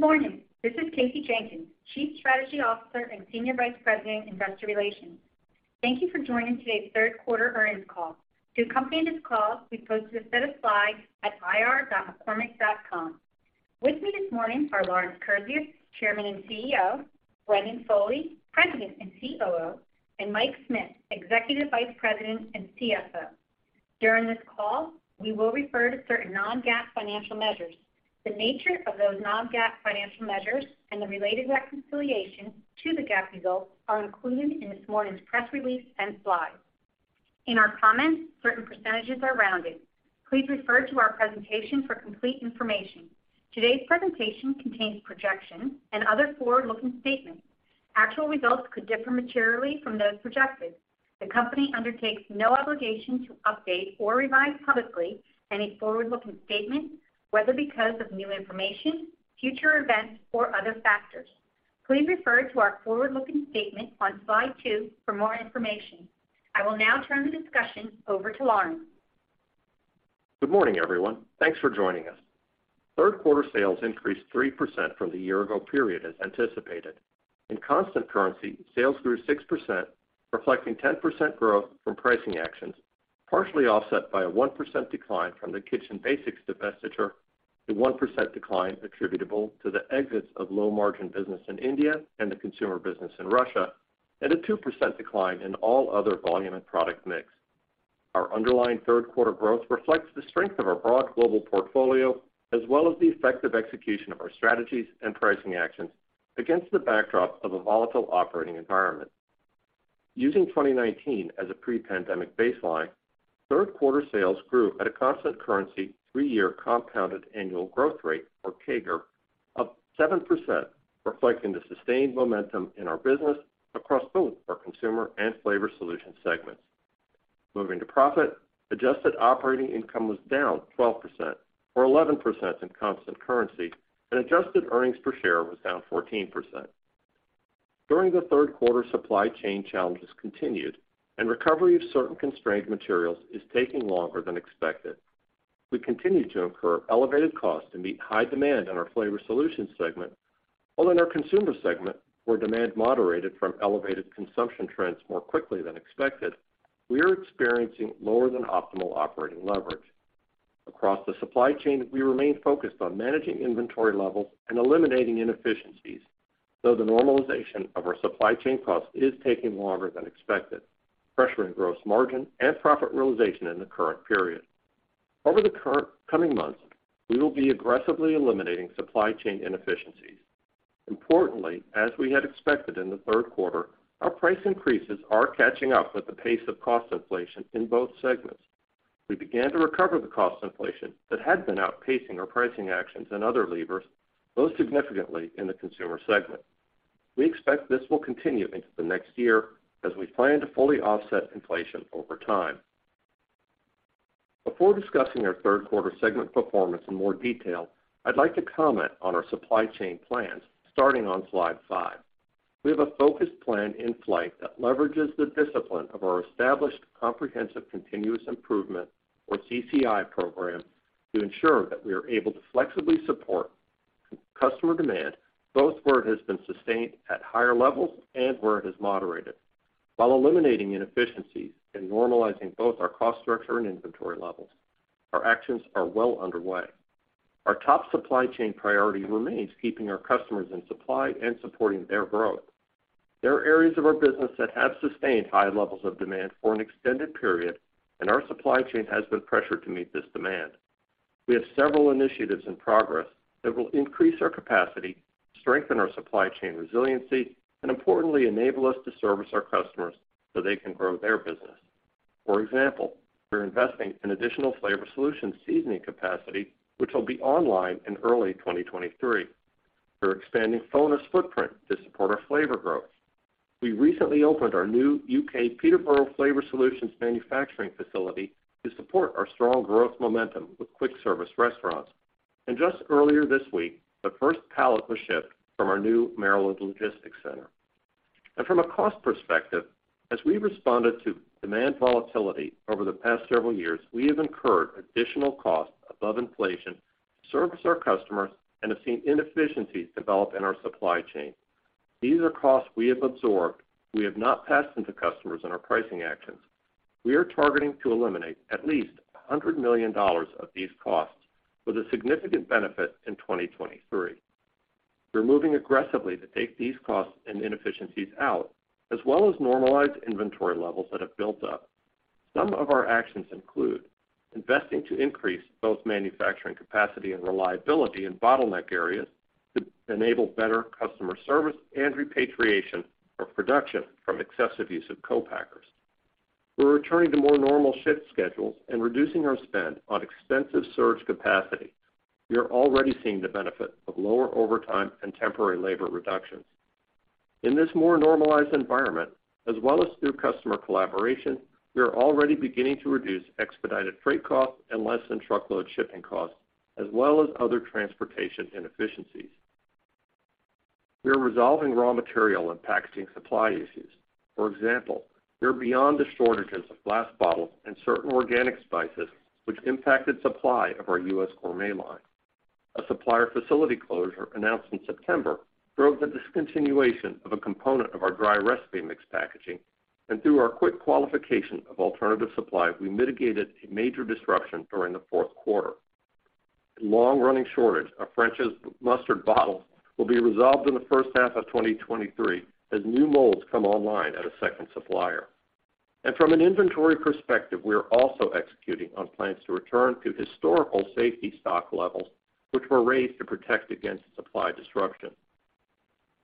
Good morning. This is Kasey Jenkins, Chief Strategy Officer and Senior Vice President, Investor Relations. Thank you for joining today's third quarter earnings call. To accompany this call, we've posted a set of slides at ir.mccormick.com. With me this morning are Lawrence Kurzius, Chairman and CEO, Brendan Foley, President and COO, and Mike Smith, Executive Vice President and CFO. During this call, we will refer to certain non-GAAP financial measures. The nature of those non-GAAP financial measures and the related reconciliation to the GAAP results are included in this morning's press release and slides. In our comments, certain percentages are rounded. Please refer to our presentation for complete information. Today's presentation contains projections and other forward-looking statements. Actual results could differ materially from those projected. The company undertakes no obligation to update or revise publicly any forward-looking statement, whether because of new information, future events, or other factors. Please refer to our forward-looking statement on slide two for more information. I will now turn the discussion over to Lawrence. Good morning, everyone. Thanks for joining us. Third quarter sales increased 3% from the year-ago period as anticipated. In constant currency, sales grew 6%, reflecting 10% growth from pricing actions, partially offset by a 1% decline from the Kitchen Basics divestiture, the 1% decline attributable to the exits of low-margin business in India and the Consumer business in Russia, and a 2% decline in all other volume and product mix. Our underlying third quarter growth reflects the strength of our broad global portfolio, as well as the effective execution of our strategies and pricing actions against the backdrop of a volatile operating environment. Using 2019 as a pre-pandemic baseline, third quarter sales grew at a constant currency three-year compounded annual growth rate, or CAGR, of 7%, reflecting the sustained momentum in our business across both our Consumer and Flavor Solution segments. Moving to profit, adjusted operating income was down 12%, or 11% in constant currency, and adjusted earnings per share was down 14%. During the third quarter, supply chain challenges continued and recovery of certain constrained materials is taking longer than expected. We continue to incur elevated costs to meet high demand in our Flavor Solutions segment, while in our Consumer segment, where demand moderated from elevated consumption trends more quickly than expected, we are experiencing lower than optimal operating leverage. Across the supply chain, we remain focused on managing inventory levels and eliminating inefficiencies, though the normalization of our supply chain costs is taking longer than expected, pressuring gross margin and profit realization in the current period. Over the coming months, we will be aggressively eliminating supply chain inefficiencies. Importantly, as we had expected in the third quarter, our price increases are catching up with the pace of cost inflation in both segments. We began to recover the cost inflation that had been outpacing our pricing actions and other levers, most significantly in the Consumer segment. We expect this will continue into the next year as we plan to fully offset inflation over time. Before discussing our third quarter segment performance in more detail, I'd like to comment on our supply chain plans, starting on slide five. We have a focused plan in flight that leverages the discipline of our established comprehensive continuous improvement, or CCI program, to ensure that we are able to flexibly support customer demand, both where it has been sustained at higher levels and where it has moderated, while eliminating inefficiencies and normalizing both our cost structure and inventory levels. Our actions are well underway. Our top supply chain priority remains keeping our customers in supply and supporting their growth. There are areas of our business that have sustained high levels of demand for an extended period, and our supply chain has been pressured to meet this demand. We have several initiatives in progress that will increase our capacity, strengthen our supply chain resiliency, and importantly, enable us to service our customers so they can grow their business. For example, we're investing in additional Flavor Solutions seasoning capacity, which will be online in early 2023. We're expanding FONA's footprint to support our flavor growth. We recently opened our new U.K. Peterborough Flavor Solutions manufacturing facility to support our strong growth momentum with quick service restaurants. Just earlier this week, the first pallet was shipped from our new Maryland logistics center. From a cost perspective, as we responded to demand volatility over the past several years, we have incurred additional costs above inflation to service our customers and have seen inefficiencies develop in our supply chain. These are costs we have absorbed. We have not passed them to customers in our pricing actions. We are targeting to eliminate at least $100 million of these costs with a significant benefit in 2023. We're moving aggressively to take these costs and inefficiencies out, as well as normalize inventory levels that have built up. Some of our actions include investing to increase both manufacturing capacity and reliability in bottleneck areas to enable better customer service and repatriation of production from excessive use of co-packers. We're returning to more normal shift schedules and reducing our spend on extensive surge capacity. We are already seeing the benefit of lower overtime and temporary labor reductions. In this more normalized environment, as well as through customer collaboration, we are already beginning to reduce expedited freight costs and less than truckload shipping costs, as well as other transportation inefficiencies. We are resolving raw material and packaging supply issues. For example, we are beyond the shortages of glass bottles and certain organic spices which impacted supply of our U.S. gourmet line. A supplier facility closure announced in September drove the discontinuation of a component of our dry recipe mix packaging, and through our quick qualification of alternative suppliers, we mitigated a major disruption during the fourth quarter. Long-running shortage of French's mustard bottles will be resolved in the first half of 2023 as new molds come online at a second supplier. From an inventory perspective, we are also executing on plans to return to historical safety stock levels, which were raised to protect against supply disruption.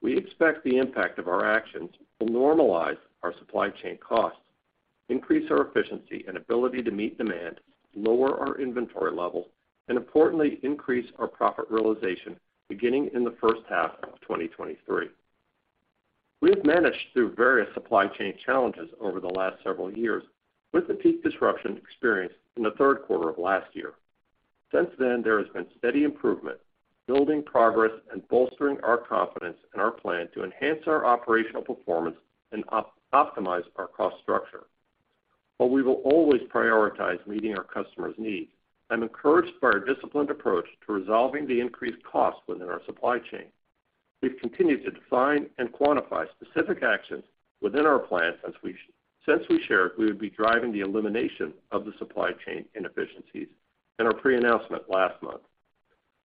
We expect the impact of our actions will normalize our supply chain costs, increase our efficiency and ability to meet demand, lower our inventory levels, and importantly, increase our profit realization beginning in the first half of 2023. We have managed through various supply chain challenges over the last several years with the peak disruption experienced in the third quarter of last year. Since then, there has been steady improvement, building progress and bolstering our confidence in our plan to enhance our operational performance and optimize our cost structure. While we will always prioritize meeting our customers' needs, I'm encouraged by our disciplined approach to resolving the increased costs within our supply chain. We've continued to define and quantify specific actions within our plan since we shared we would be driving the elimination of the supply chain inefficiencies in our pre-announcement last month.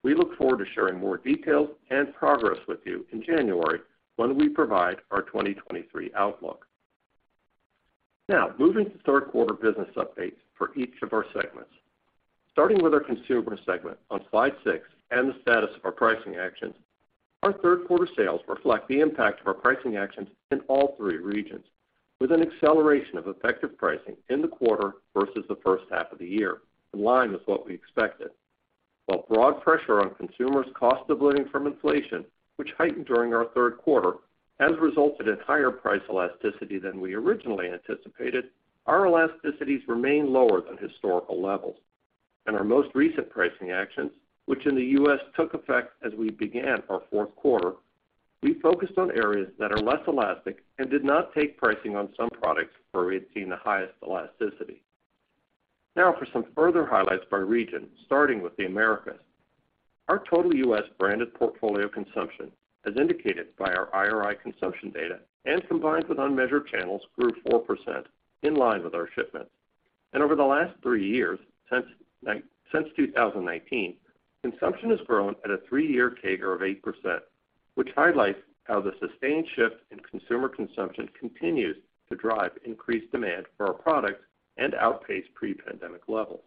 We look forward to sharing more details and progress with you in January when we provide our 2023 outlook. Now, moving to third quarter business updates for each of our segments. Starting with our Consumer segment on slide six and the status of our pricing actions, our third quarter sales reflect the impact of our pricing actions in all three regions with an acceleration of effective pricing in the quarter versus the first half of the year, in line with what we expected. While broad pressure on consumers' cost of living from inflation, which heightened during our third quarter, has resulted in higher price elasticity than we originally anticipated, our elasticities remain lower than historical levels. In our most recent pricing actions, which in the U.S. took effect as we began our fourth quarter, we focused on areas that are less elastic and did not take pricing on some products where we had seen the highest elasticity. Now for some further highlights by region, starting with the America. Our total U.S. branded portfolio consumption, as indicated by our IRI consumption data and combined with unmeasured channels, grew 4% in line with our shipments. Over the last three years, since 2019, consumption has grown at a three-year CAGR of 8%, which highlights how the sustained shift in consumer consumption continues to drive increased demand for our products and outpace pre-pandemic levels.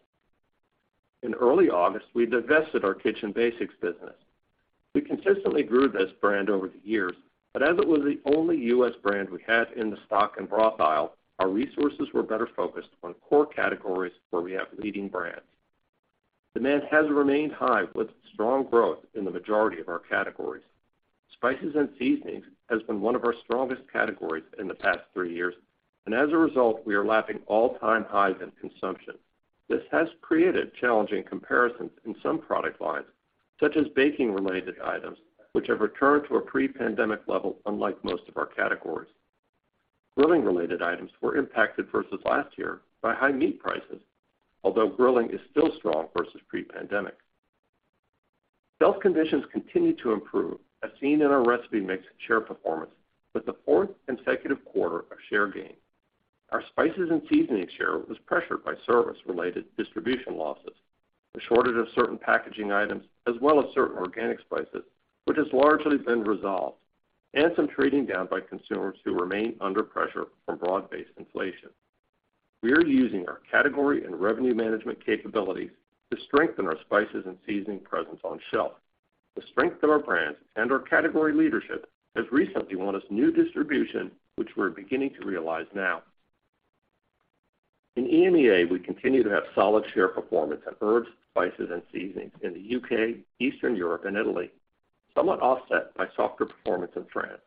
In early August, we divested our Kitchen Basics business. We consistently grew this brand over the years, but as it was the only U.S. brand we had in the stock and broth aisle, our resources were better focused on core categories where we have leading brands. Demand has remained high with strong growth in the majority of our categories. Spices and seasonings has been one of our strongest categories in the past three years, and as a result, we are lapping all-time highs in consumption. This has created challenging comparisons in some product lines, such as baking-related items, which have returned to a pre-pandemic level unlike most of our categories. Grilling-related items were impacted versus last year by high meat prices, although grilling is still strong versus pre-pandemic. Sales conditions continue to improve, as seen in our recipe mix share performance with the fourth consecutive quarter of share gain. Our spices and seasoning share was pressured by service-related distribution losses, a shortage of certain packaging items, as well as certain organic spices, which has largely been resolved, and some trading down by consumers who remain under pressure from broad-based inflation. We are using our category and revenue management capabilities to strengthen our spices and seasoning presence on shelf. The strength of our brands and our category leadership has recently won us new distribution, which we're beginning to realize now. In EMEA, we continue to have solid share performance in herbs, spices, and seasonings in the U.K., Eastern Europe, and Italy, somewhat offset by softer performance in France.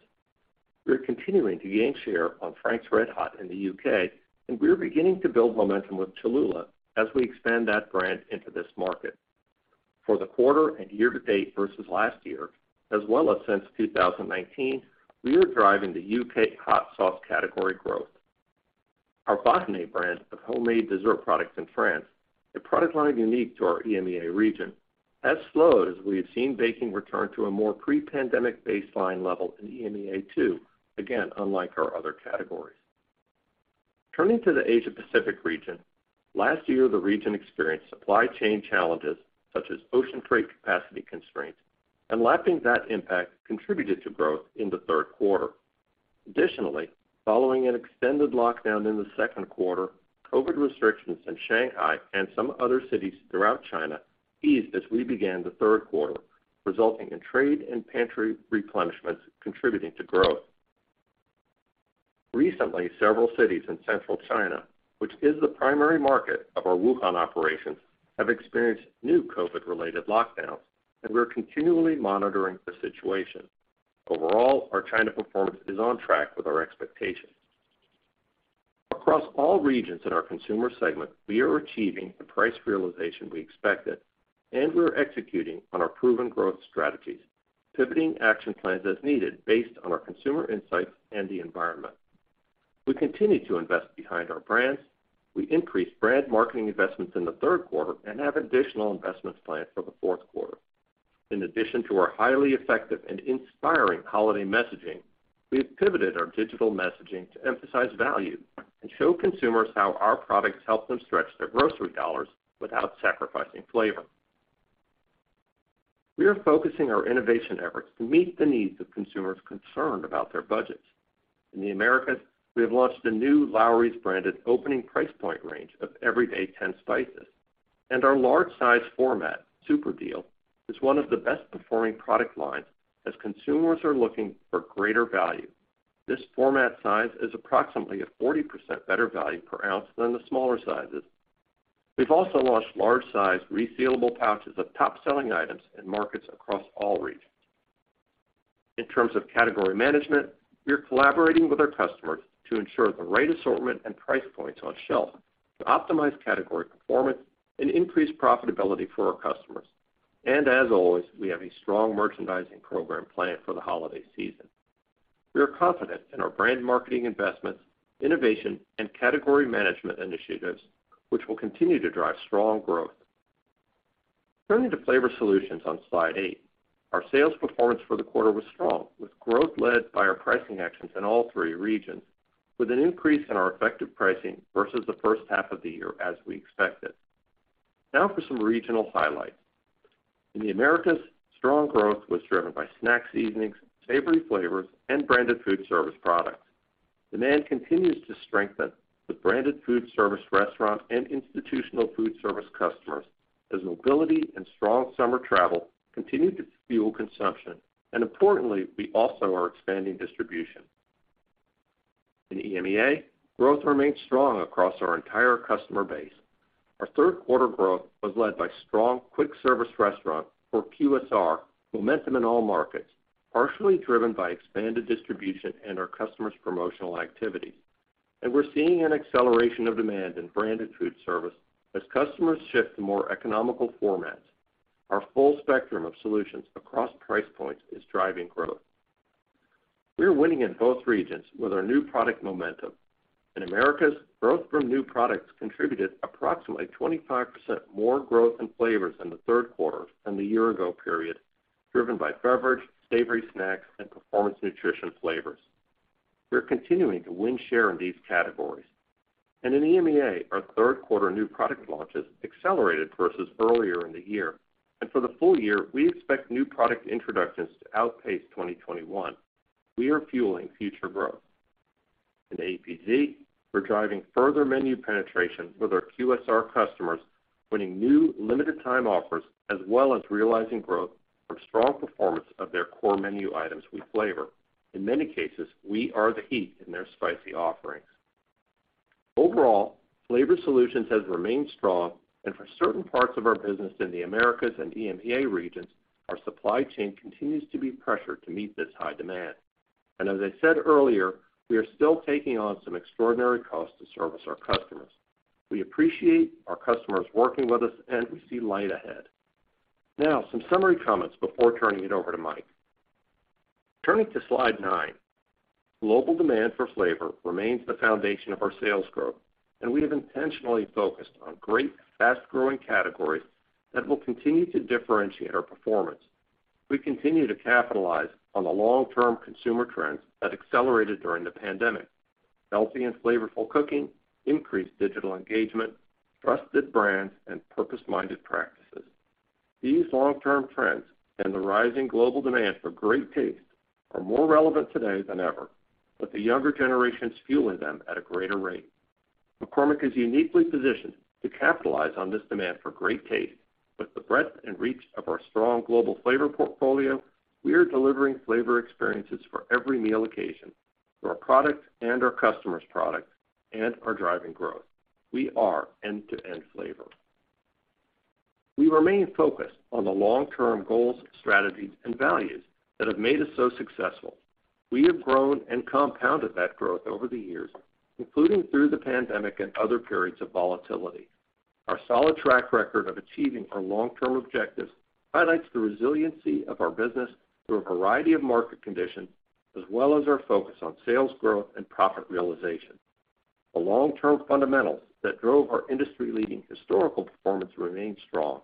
We're continuing to gain share on Frank's RedHot in the U.K., and we are beginning to build momentum with Cholula as we expand that brand into this market. For the quarter and year-to-date versus last year, as well as since 2019, we are driving the U.K. hot sauce category growth. Our Vahiné brand of homemade dessert products in France, a product line unique to our EMEA region, has slowed as we have seen baking return to a more pre-pandemic baseline level in EMEA too, again unlike our other categories. Turning to the Asia Pacific region, last year the region experienced supply chain challenges such as ocean freight capacity constraints, and lapping that impact contributed to growth in the third quarter. Additionally, following an extended lockdown in the second quarter, COVID restrictions in Shanghai and some other cities throughout China eased as we began the third quarter, resulting in trade and pantry replenishments contributing to growth. Recently, several cities in central China, which is the primary market of our Wuhan operations, have experienced new COVID-related lockdowns, and we're continually monitoring the situation. Overall, our China performance is on track with our expectations. Across all regions in our Consumer segment, we are achieving the price realization we expected, and we're executing on our proven growth strategies, pivoting action plans as needed based on our consumer insights and the environment. We continue to invest behind our brands. We increased brand marketing investments in the third quarter and have additional investments planned for the fourth quarter. In addition to our highly effective and inspiring holiday messaging, we have pivoted our digital messaging to emphasize value and show consumers how our products help them stretch their grocery dollars without sacrificing flavor. We are focusing our innovation efforts to meet the needs of consumers concerned about their budgets. In the Americas, we have launched a new Lawry's branded opening price point range of everyday ten spices, and our large size format, Super Deal, is one of the best performing product lines as consumers are looking for greater value. This format size is approximately 40% better value per ounce than the smaller sizes. We've also launched large size resealable pouches of top selling items in markets across all regions. In terms of category management, we are collaborating with our customers to ensure the right assortment and price points on shelf to optimize category performance and increase profitability for our customers. As always, we have a strong merchandising program planned for the holiday season. We are confident in our brand marketing investments, innovation, and category management initiatives, which will continue to drive strong growth. Turning to Flavor Solutions on slide eight. Our sales performance for the quarter was strong, with growth led by our pricing actions in all three regions, with an increase in our effective pricing versus the first half of the year, as we expected. Now for some regional highlights. In the Americas, strong growth was driven by snack seasonings, savory flavors, and branded food service products. Demand continues to strengthen with branded food service restaurant and institutional food service customers as mobility and strong summer travel continue to fuel consumption. Importantly, we also are expanding distribution. In EMEA, growth remains strong across our entire customer base. Our third quarter growth was led by strong quick service restaurant, or QSR, momentum in all markets, partially driven by expanded distribution and our customers' promotional activities. We're seeing an acceleration of demand in branded food service as customers shift to more economical formats. Our full spectrum of solutions across price points is driving growth. We are winning in both regions with our new product momentum. In Americas, growth from new products contributed approximately 25% more growth in flavors in the third quarter than the year ago period, driven by beverage, savory snacks, and performance nutrition flavors. We're continuing to win share in these categories. In EMEA, our third quarter new product launches accelerated versus earlier in the year. For the full year, we expect new product introductions to outpace 2021. We are fueling future growth. In APZ, we're driving further menu penetration with our QSR customers, winning new limited time offers, as well as realizing growth from strong performance of their core menu items we flavor. In many cases, we are the heat in their spicy offerings. Overall, Flavor Solutions has remained strong, and for certain parts of our business in the Americas and EMEA regions, our supply chain continues to be pressured to meet this high demand. As I said earlier, we are still taking on some extraordinary costs to service our customers. We appreciate our customers working with us, and we see light ahead. Now, some summary comments before turning it over to Mike. Turning to slide nine. Global demand for flavor remains the foundation of our sales growth, and we have intentionally focused on great, fast-growing categories that will continue to differentiate our performance. We continue to capitalize on the long-term consumer trends that accelerated during the pandemic, healthy and flavorful cooking, increased digital engagement, trusted brands, and purpose-minded practices. These long-term trends and the rising global demand for great taste are more relevant today than ever, with the younger generations fueling them at a greater rate. McCormick is uniquely positioned to capitalize on this demand for great taste. With the breadth and reach of our strong global flavor portfolio, we are delivering flavor experiences for every meal occasion through our products and our customers' products and are driving growth. We are end-to-end flavor. We remain focused on the long-term goals, strategies, and values that have made us so successful. We have grown and compounded that growth over the years, including through the pandemic and other periods of volatility. Our solid track record of achieving our long-term objectives highlights the resiliency of our business through a variety of market conditions, as well as our focus on sales growth and profit realization. The long-term fundamentals that drove our industry-leading historical performance remain strong.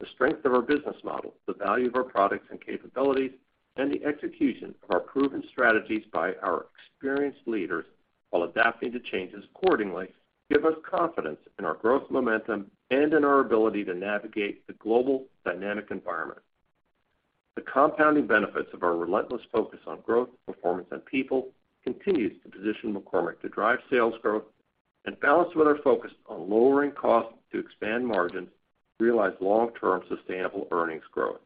The strength of our business model, the value of our products and capabilities, and the execution of our proven strategies by our experienced leaders while adapting to changes accordingly give us confidence in our growth momentum and in our ability to navigate the global dynamic environment. The compounding benefits of our relentless focus on growth, performance, and people continues to position McCormick to drive sales growth and balance with our focus on lowering costs to expand margins, realize long-term sustainable earnings growth.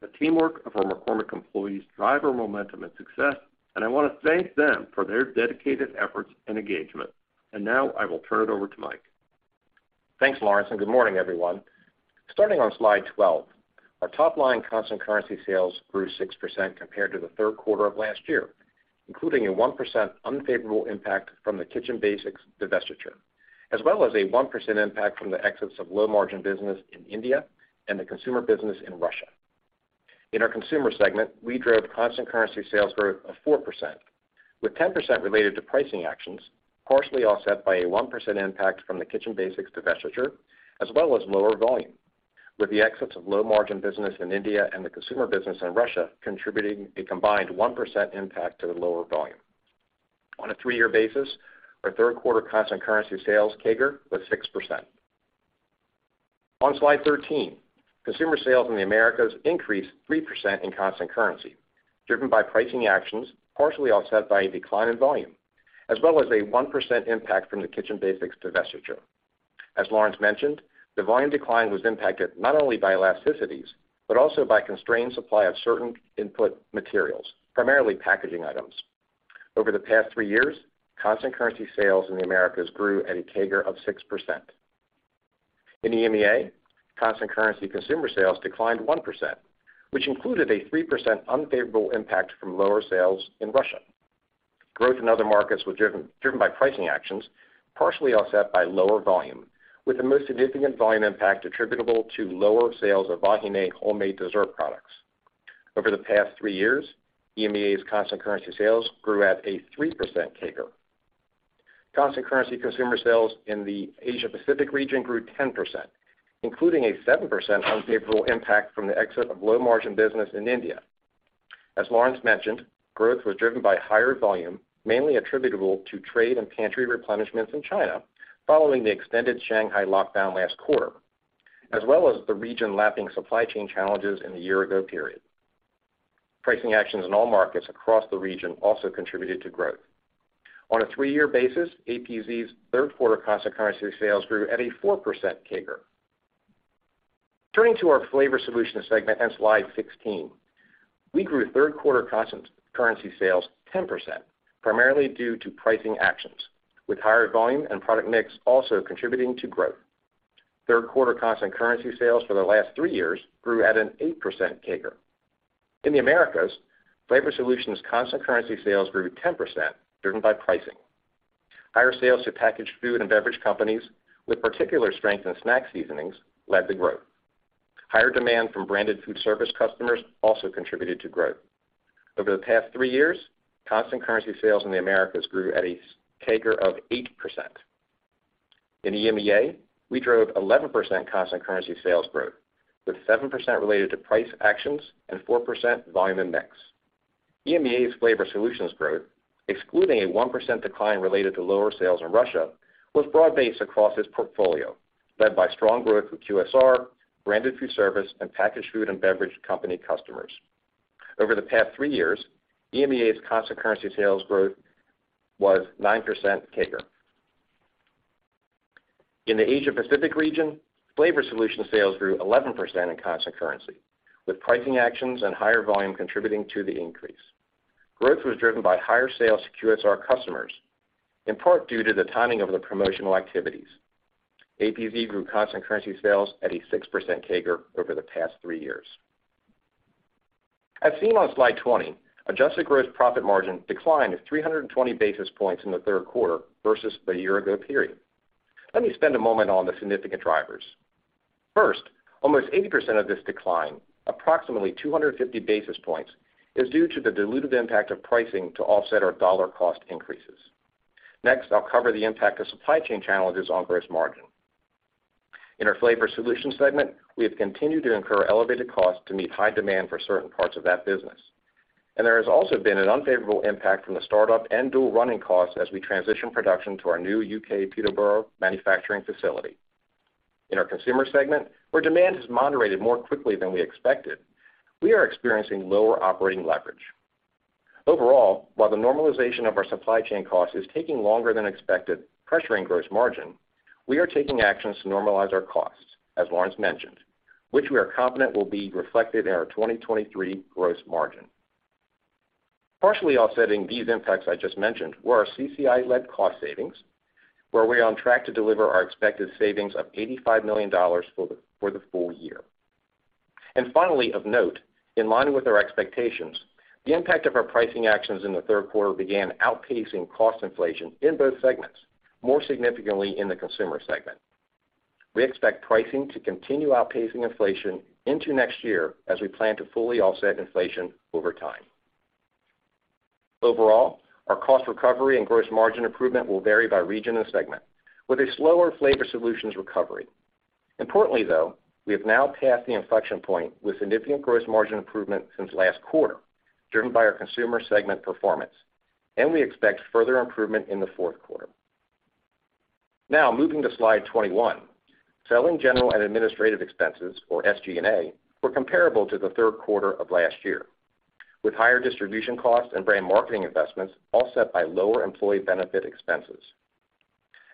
The teamwork of our McCormick employees drive our momentum and success, and I want to thank them for their dedicated efforts and engagement. Now I will turn it over to Mike. Thanks, Lawrence, and good morning, everyone. Starting on slide 12, our top line constant currency sales grew 6% compared to the third quarter of last year, including a 1% unfavorable impact from the Kitchen Basics divestiture, as well as a 1% impact from the exits of low margin business in India and the Consumer business in Russia. In our Consumer segment, we drove constant currency sales growth of 4%, with 10% related to pricing actions, partially offset by a 1% impact from the Kitchen Basics divestiture, as well as lower volume, with the exits of low margin business in India and the Consumer business in Russia contributing a combined 1% impact to the lower volume. On a three-year basis, our third quarter constant currency sales CAGR was 6%. On slide 13, consumer sales in the Americas increased 3% in constant currency, driven by pricing actions partially offset by a decline in volume, as well as a 1% impact from the Kitchen Basics divestiture. As Lawrence mentioned, the volume decline was impacted not only by elasticities, but also by constrained supply of certain input materials, primarily packaging items. Over the past three years, constant currency sales in the Americas grew at a CAGR of 6%. In EMEA, constant currency consumer sales declined 1%, which included a 3% unfavorable impact from lower sales in Russia. Growth in other markets was driven by pricing actions, partially offset by lower volume, with the most significant volume impact attributable to lower sales of Vahiné homemade dessert products. Over the past three years, EMEA's constant currency sales grew at a 3% CAGR. Constant currency consumer sales in the Asia Pacific region grew 10%, including a 7% unfavorable impact from the exit of low margin business in India. As Lawrence mentioned, growth was driven by higher volume, mainly attributable to trade and pantry replenishments in China following the extended Shanghai lockdown last quarter, as well as the region lapping supply chain challenges in the year ago period. Pricing actions in all markets across the region also contributed to growth. On a three-year basis, APZ's third quarter constant currency sales grew at a 4% CAGR. Turning to our Flavor Solutions segment and slide 16, we grew third quarter constant currency sales 10%, primarily due to pricing actions, with higher volume and product mix also contributing to growth. Third quarter constant currency sales for the last three years grew at an 8% CAGR. In the Americas, Flavor Solutions' constant currency sales grew 10% driven by pricing. Higher sales to packaged food and beverage companies with particular strength in snack seasonings led the growth. Higher demand from branded food service customers also contributed to growth. Over the past three years, constant currency sales in the Americas grew at a CAGR of 8%. In EMEA, we drove 11% constant currency sales growth, with 7% related to price actions and 4% volume and mix. EMEA's Flavor Solutions growth, excluding a 1% decline related to lower sales in Russia, was broad-based across its portfolio, led by strong growth with QSR, branded food service, and packaged food and beverage company customers. Over the past three years, EMEA's constant currency sales growth was 9% CAGR. In the Asia Pacific region, Flavor Solutions sales grew 11% in constant currency, with pricing actions and higher volume contributing to the increase. Growth was driven by higher sales to QSR customers, in part due to the timing of the promotional activities. APZ grew constant currency sales at a 6% CAGR over the past three years. As seen on slide 20, adjusted gross profit margin declined 320 basis points in the third quarter versus the year ago period. Let me spend a moment on the significant drivers. First, almost 80% of this decline, approximately 250 basis points, is due to the dilutive impact of pricing to offset our dollar cost increases. Next, I'll cover the impact of supply chain challenges on gross margin. In our Flavor Solutions segment, we have continued to incur elevated costs to meet high demand for certain parts of that business, and there has also been an unfavorable impact from the startup and dual running costs as we transition production to our new U.K. Peterborough manufacturing facility. In our Consumer segment, where demand has moderated more quickly than we expected, we are experiencing lower operating leverage. Overall, while the normalization of our supply chain cost is taking longer than expected, pressuring gross margin, we are taking actions to normalize our costs, as Lawrence mentioned, which we are confident will be reflected in our 2023 gross margin. Partially offsetting these impacts I just mentioned were our CCI-led cost savings, where we are on track to deliver our expected savings of $85 million for the full year. Finally, of note, in line with our expectations, the impact of our pricing actions in the third quarter began outpacing cost inflation in both segments, more significantly in the Consumer segment. We expect pricing to continue outpacing inflation into next year as we plan to fully offset inflation over time. Overall, our cost recovery and gross margin improvement will vary by region and segment, with a slower Flavor Solutions recovery. Importantly, though, we have now passed the inflection point with significant gross margin improvement since last quarter, driven by our Consumer segment performance, and we expect further improvement in the fourth quarter. Now, moving to slide 21. Selling, general, and administrative expenses, or SG&A, were comparable to the third quarter of last year, with higher distribution costs and brand marketing investments offset by lower employee benefit expenses.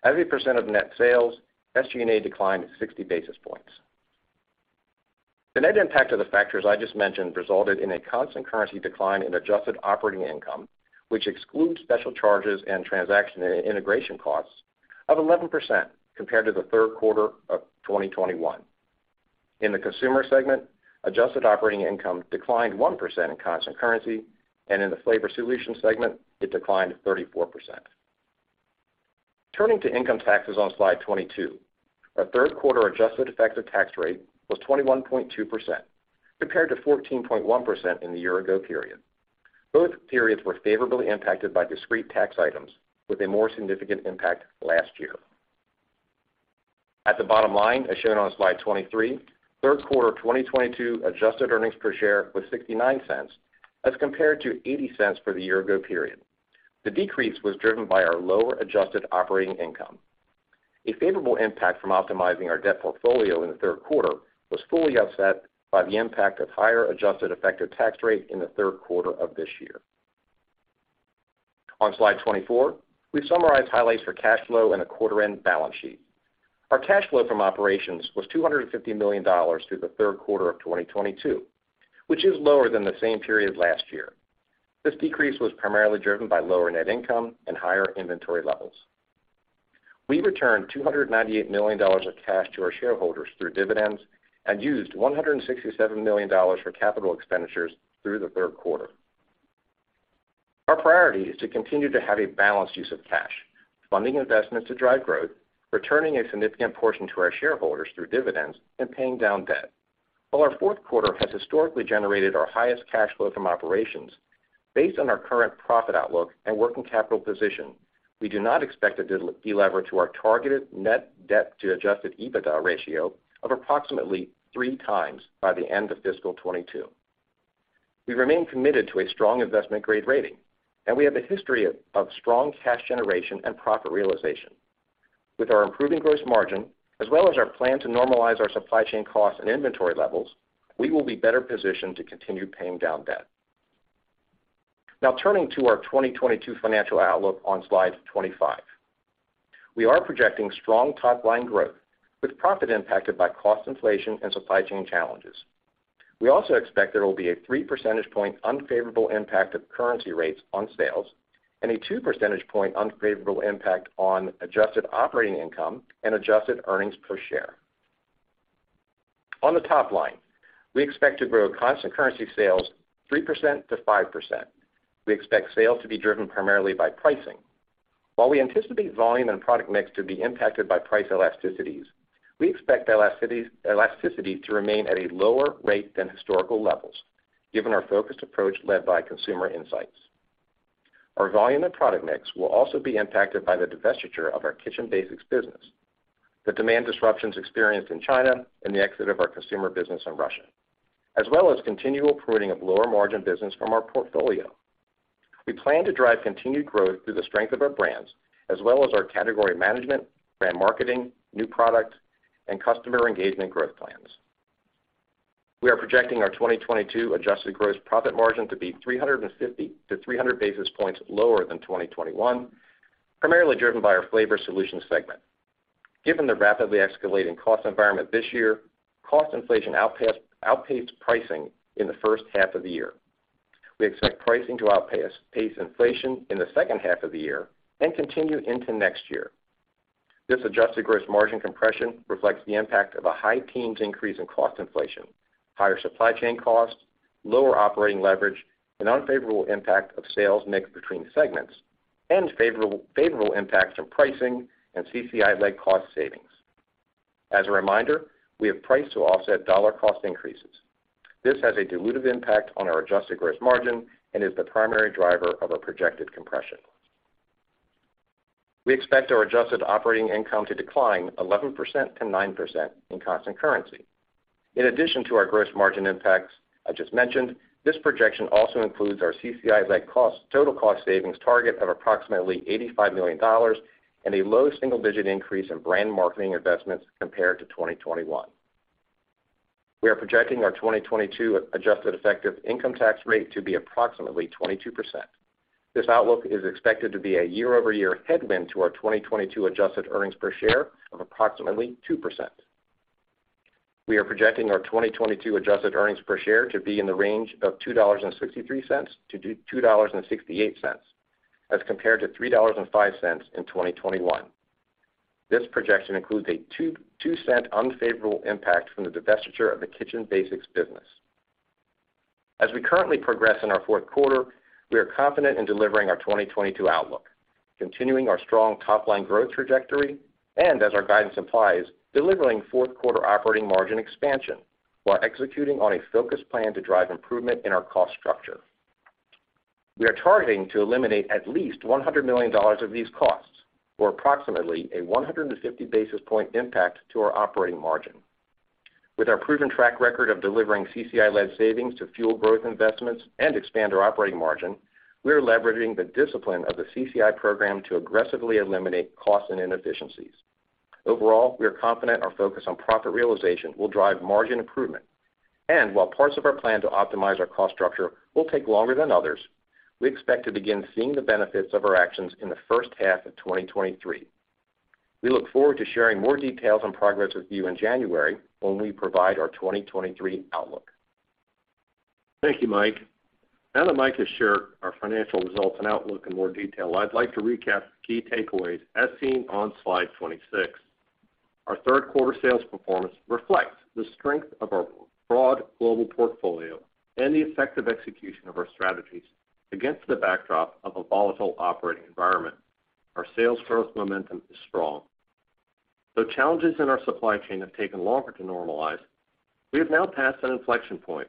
As a percent of net sales, SG&A declined 60 basis points. The net impact of the factors I just mentioned resulted in a constant currency decline in adjusted operating income, which excludes special charges and transaction and integration costs of 11% compared to the third quarter of 2021. In the Consumer segment, adjusted operating income declined 1% in constant currency, and in the Flavor Solution segment, it declined 34%. Turning to income taxes on slide 22. Our third quarter adjusted effective tax rate was 21.2% compared to 14.1% in the year ago period. Both periods were favorably impacted by discrete tax items with a more significant impact last year. At the bottom line, as shown on slide 23, third quarter 2022 adjusted earnings per share was $0.69 as compared to $0.80 for the year ago period. The decrease was driven by our lower adjusted operating income. A favorable impact from optimizing our debt portfolio in the third quarter was fully offset by the impact of higher adjusted effective tax rate in the third quarter of this year. On slide 24, we summarize highlights for cash flow and the quarter end balance sheet. Our cash flow from operations was $250 million through the third quarter of 2022, which is lower than the same period last year. This decrease was primarily driven by lower net income and higher inventory levels. We returned $298 million of cash to our shareholders through dividends and used $167 million for capital expenditures through the third quarter. Our priority is to continue to have a balanced use of cash, funding investments to drive growth, returning a significant portion to our shareholders through dividends and paying down debt. While our fourth quarter has historically generated our highest cash flow from operations, based on our current profit outlook and working capital position, we do not expect to delever to our targeted net debt to adjusted EBITDA ratio of approximately 3x by the end of fiscal 2022. We remain committed to a strong investment grade rating, and we have a history of strong cash generation and profit realization. With our improving gross margin, as well as our plan to normalize our supply chain costs and inventory levels, we will be better positioned to continue paying down debt. Now turning to our 2022 financial outlook on slide 25. We are projecting strong top-line growth with profit impacted by cost inflation and supply chain challenges. We also expect there will be a 3 percentage point unfavorable impact of currency rates on sales and a 2 percentage point unfavorable impact on adjusted operating income and adjusted earnings per share. On the top line, we expect to grow constant currency sales 3%-5%. We expect sales to be driven primarily by pricing. While we anticipate volume and product mix to be impacted by price elasticities, we expect elasticity to remain at a lower rate than historical levels, given our focused approach led by consumer insights. Our volume and product mix will also be impacted by the divestiture of our Kitchen Basics business, the demand disruptions experienced in China, and the exit of our Consumer business in Russia, as well as continual pruning of lower margin business from our portfolio. We plan to drive continued growth through the strength of our brands as well as our category management, brand marketing, new product, and customer engagement growth plans. We are projecting our 2022 adjusted gross profit margin to be 350 basis points-300 basis points lower than 2021, primarily driven by our Flavor Solutions segment. Given the rapidly escalating cost environment this year, cost inflation outpaced pricing in the first half of the year. We expect pricing to outpace inflation in the second half of the year and continue into next year. This adjusted gross margin compression reflects the impact of a high-teens increase in cost inflation, higher supply chain costs, lower operating leverage, an unfavorable impact of sales mix between segments, and favorable impact from pricing and CCI-led cost savings. As a reminder, we have priced to offset dollar cost increases. This has a dilutive impact on our adjusted gross margin and is the primary driver of our projected compression. We expect our adjusted operating income to decline 11% to 9% in constant currency. In addition to our gross margin impacts I just mentioned, this projection also includes our CCI-led cost savings target of approximately $85 million and a low single-digit increase in brand marketing investments compared to 2021. We are projecting our 2022 adjusted effective income tax rate to be approximately 22%. This outlook is expected to be a year-over-year headwind to our 2022 adjusted earnings per share of approximately 2%. We are projecting our 2022 adjusted earnings per share to be in the range of $2.63-$2.68 as compared to $3.05 in 2021. This projection includes a $0.02 unfavorable impact from the divestiture of the Kitchen Basics business. As we currently progress in our fourth quarter, we are confident in delivering our 2022 outlook, continuing our strong top-line growth trajectory, and as our guidance implies, delivering fourth quarter operating margin expansion while executing on a focused plan to drive improvement in our cost structure. We are targeting to eliminate at least $100 million of these costs, or approximately a 150 basis point impact to our operating margin. With our proven track record of delivering CCI-led savings to fuel growth investments and expand our operating margin, we are leveraging the discipline of the CCI program to aggressively eliminate costs and inefficiencies. Overall, we are confident our focus on profit realization will drive margin improvement. While parts of our plan to optimize our cost structure will take longer than others, we expect to begin seeing the benefits of our actions in the first half of 2023. We look forward to sharing more details on progress with you in January when we provide our 2023 outlook. Thank you, Mike. Now that Mike has shared our financial results and outlook in more detail, I'd like to recap the key takeaways as seen on slide 26. Our third quarter sales performance reflects the strength of our broad global portfolio and the effective execution of our strategies against the backdrop of a volatile operating environment. Our sales growth momentum is strong. Though challenges in our supply chain have taken longer to normalize, we have now passed an inflection point.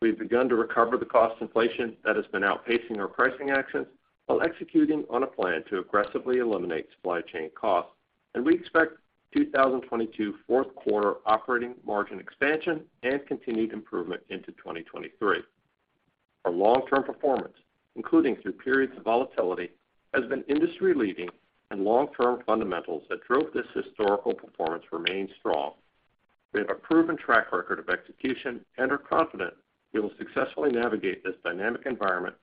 We've begun to recover the cost inflation that has been outpacing our pricing actions while executing on a plan to aggressively eliminate supply chain costs. We expect 2022 fourth quarter operating margin expansion and continued improvement into 2023. Our long-term performance, including through periods of volatility, has been industry-leading, and long-term fundamentals that drove this historical performance remain strong. We have a proven track record of execution and are confident we will successfully navigate this dynamic environment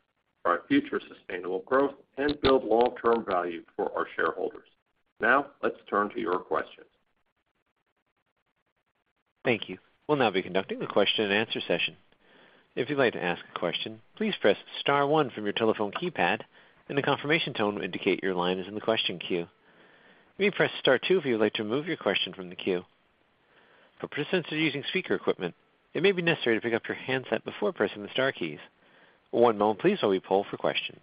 for our future sustainable growth and build long-term value for our shareholders. Now, let's turn to your questions. Thank you. We'll now be conducting the question-and-answer session. If you'd like to ask a question, please press star one from your telephone keypad, and a confirmation tone will indicate your line is in the question queue. You may press star two if you would like to remove your question from the queue. For participants using speaker equipment, it may be necessary to pick up your handset before pressing the star keys. One moment please while we poll for questions.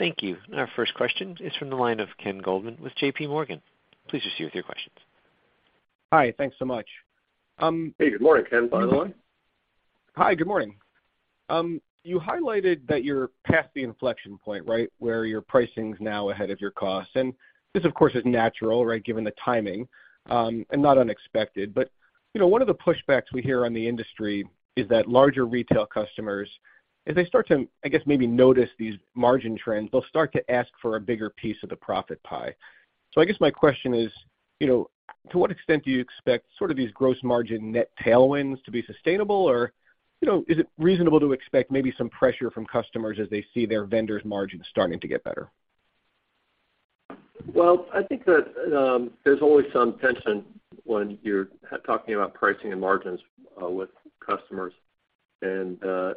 Thank you. Our first question is from the line of Ken Goldman with JPMorgan. Please proceed with your questions. Hi. Thanks so much. Hey, good morning, Ken, by the way. Hi, good morning. You highlighted that you're past the inflection point, right? Where your pricing's now ahead of your costs. This, of course, is natural, right, given the timing, and not unexpected. You know, one of the pushbacks we hear on the industry is that larger retail customers, as they start to, I guess, maybe notice these margin trends, they'll start to ask for a bigger piece of the profit pie. I guess my question is, you know, to what extent do you expect sort of these gross margin net tailwinds to be sustainable? Or, you know, is it reasonable to expect maybe some pressure from customers as they see their vendors' margins starting to get better? Well, I think that, there's always some tension when you're talking about pricing and margins with customers. I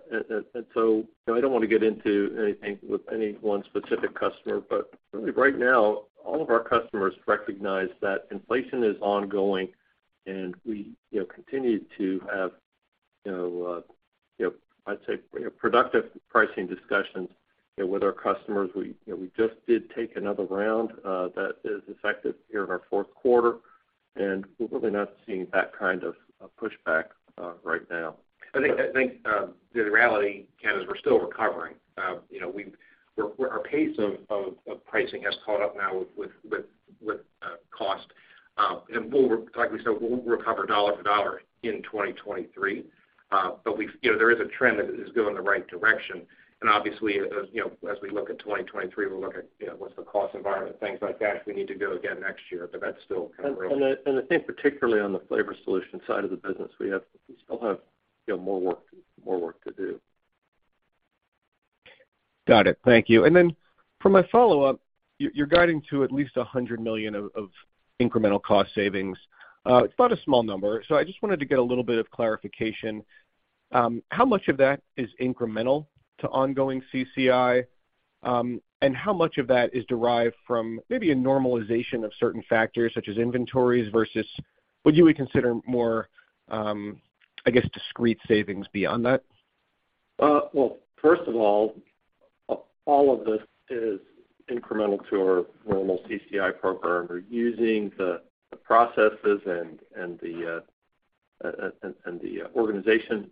don't wanna get into anything with any one specific customer, but really right now, all of our customers recognize that inflation is ongoing and we, you know, continue to have, you know, you know, I'd say productive pricing discussions, you know, with our customers. We, you know, we just did take another round, that is effective here in our fourth quarter, and we're really not seeing that kind of pushback right now. I think the reality, Ken, is we're still recovering. You know, our pace of pricing has caught up now with cost. Like we said, we'll recover dollar for dollar in 2023. But we've you know, there is a trend that is going in the right direction. Obviously, as you know, as we look at 2023, we'll look at you know, what's the cost environment, things like that we need to do again next year, but that's still kind of real. I think particularly on the Flavor Solutions side of the business, we still have, you know, more work to do. Got it. Thank you. For my follow-up, you're guiding to at least $100 million of incremental cost savings. It's not a small number, so I just wanted to get a little bit of clarification. How much of that is incremental to ongoing CCI? And how much of that is derived from maybe a normalization of certain factors such as inventories versus what you would consider more, I guess, discrete savings beyond that? Well, first of all of this is incremental to our normal CCI program. We're using the processes and the organization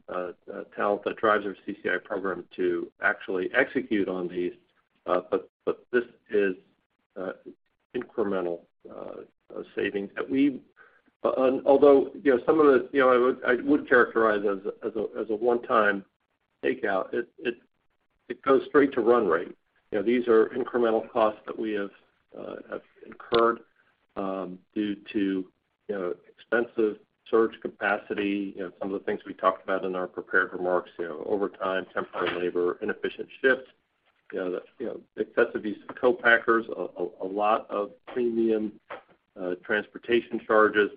talent that drives our CCI program to actually execute on these. This is incremental savings. Although you know some of the you know I would characterize as a one-time takeout. It goes straight to run rate. You know these are incremental costs that we have incurred due to you know expensive surge capacity you know some of the things we talked about in our prepared remarks you know over time temporary labor inefficient shifts you know excessive use of co-packers a lot of premium transportation charges.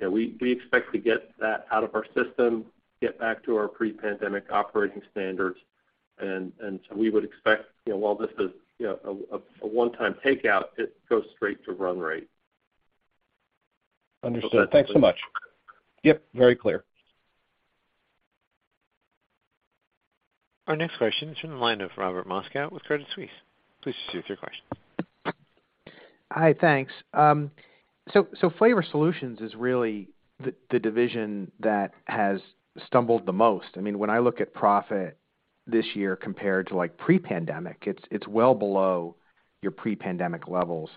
We expect to get that out of our system, get back to our pre-pandemic operating standards. We would expect, you know, while this is, you know, a one-time takeout, it goes straight to run rate. Understood. Thanks so much. Yep, very clear. Our next question is from the line of Robert Moskow with Credit Suisse. Please proceed with your question. Hi, thanks. Flavor Solutions is really the division that has stumbled the most. I mean, when I look at profit this year compared to like pre-pandemic, it's well below your pre-pandemic levels.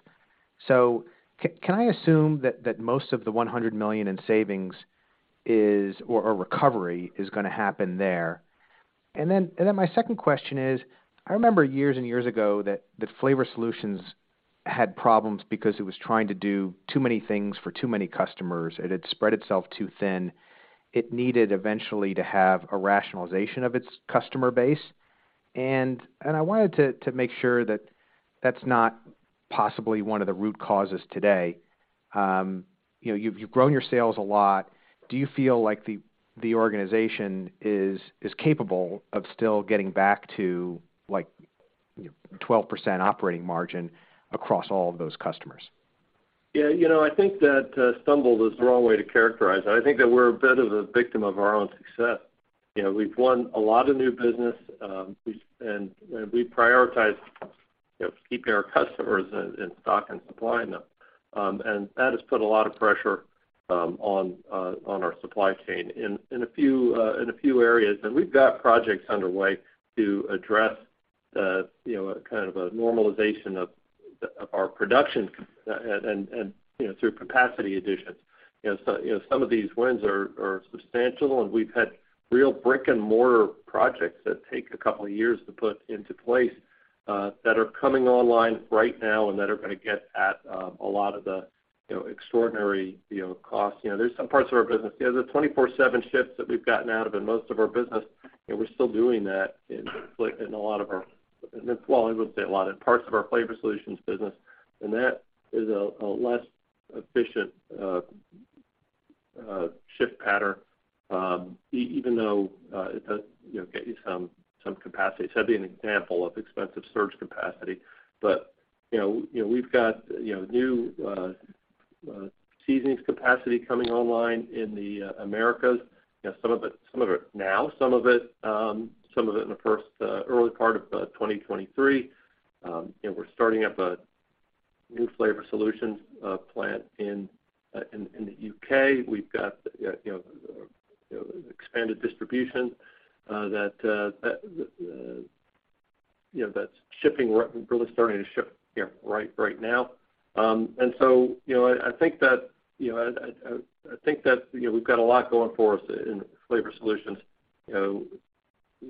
Can I assume that most of the $100 million in savings or recovery is gonna happen there? My second question is. I remember years and years ago that the Flavor Solutions had problems because it was trying to do too many things for too many customers. It had spread itself too thin. It needed eventually to have a rationalization of its customer base. I wanted to make sure that that's not possibly one of the root causes today. You know, you've grown your sales a lot. Do you feel like the organization is capable of still getting back to, like, 12% operating margin across all of those customers? Yeah. You know, I think that stumble is the wrong way to characterize it. I think that we're a bit of a victim of our own success. You know, we've won a lot of new business, and we prioritize, you know, keeping our customers in stock and supplying them. And that has put a lot of pressure on our supply chain in a few areas. We've got projects underway to address the, you know, kind of a normalization of our production and, you know, through capacity additions. You know, some of these wins are substantial, and we've had real brick-and-mortar projects that take a couple of years to put into place that are coming online right now and that are gonna get at a lot of the, you know, extraordinary costs. You know, there's some parts of our business. You know, the 24/7 shifts that we've gotten out of in most of our business, you know, we're still doing that in parts our Flavor Solutions business. Well, I wouldn't say a lot of parts of our Flavor Solutions business, and that is a less efficient shift pattern, even though it does, you know, get you some capacity. That'd be an example of expensive surge capacity. You know, we've got new seasonings capacity coming online in the Americas. You know, some of it now, some of it in the early part of 2023. We're starting up a new Flavor Solutions plant in the U.K. We've got expanded distribution that's shipping, we're really starting to ship right now. You know, I think that we've got a lot going for us in Flavor Solutions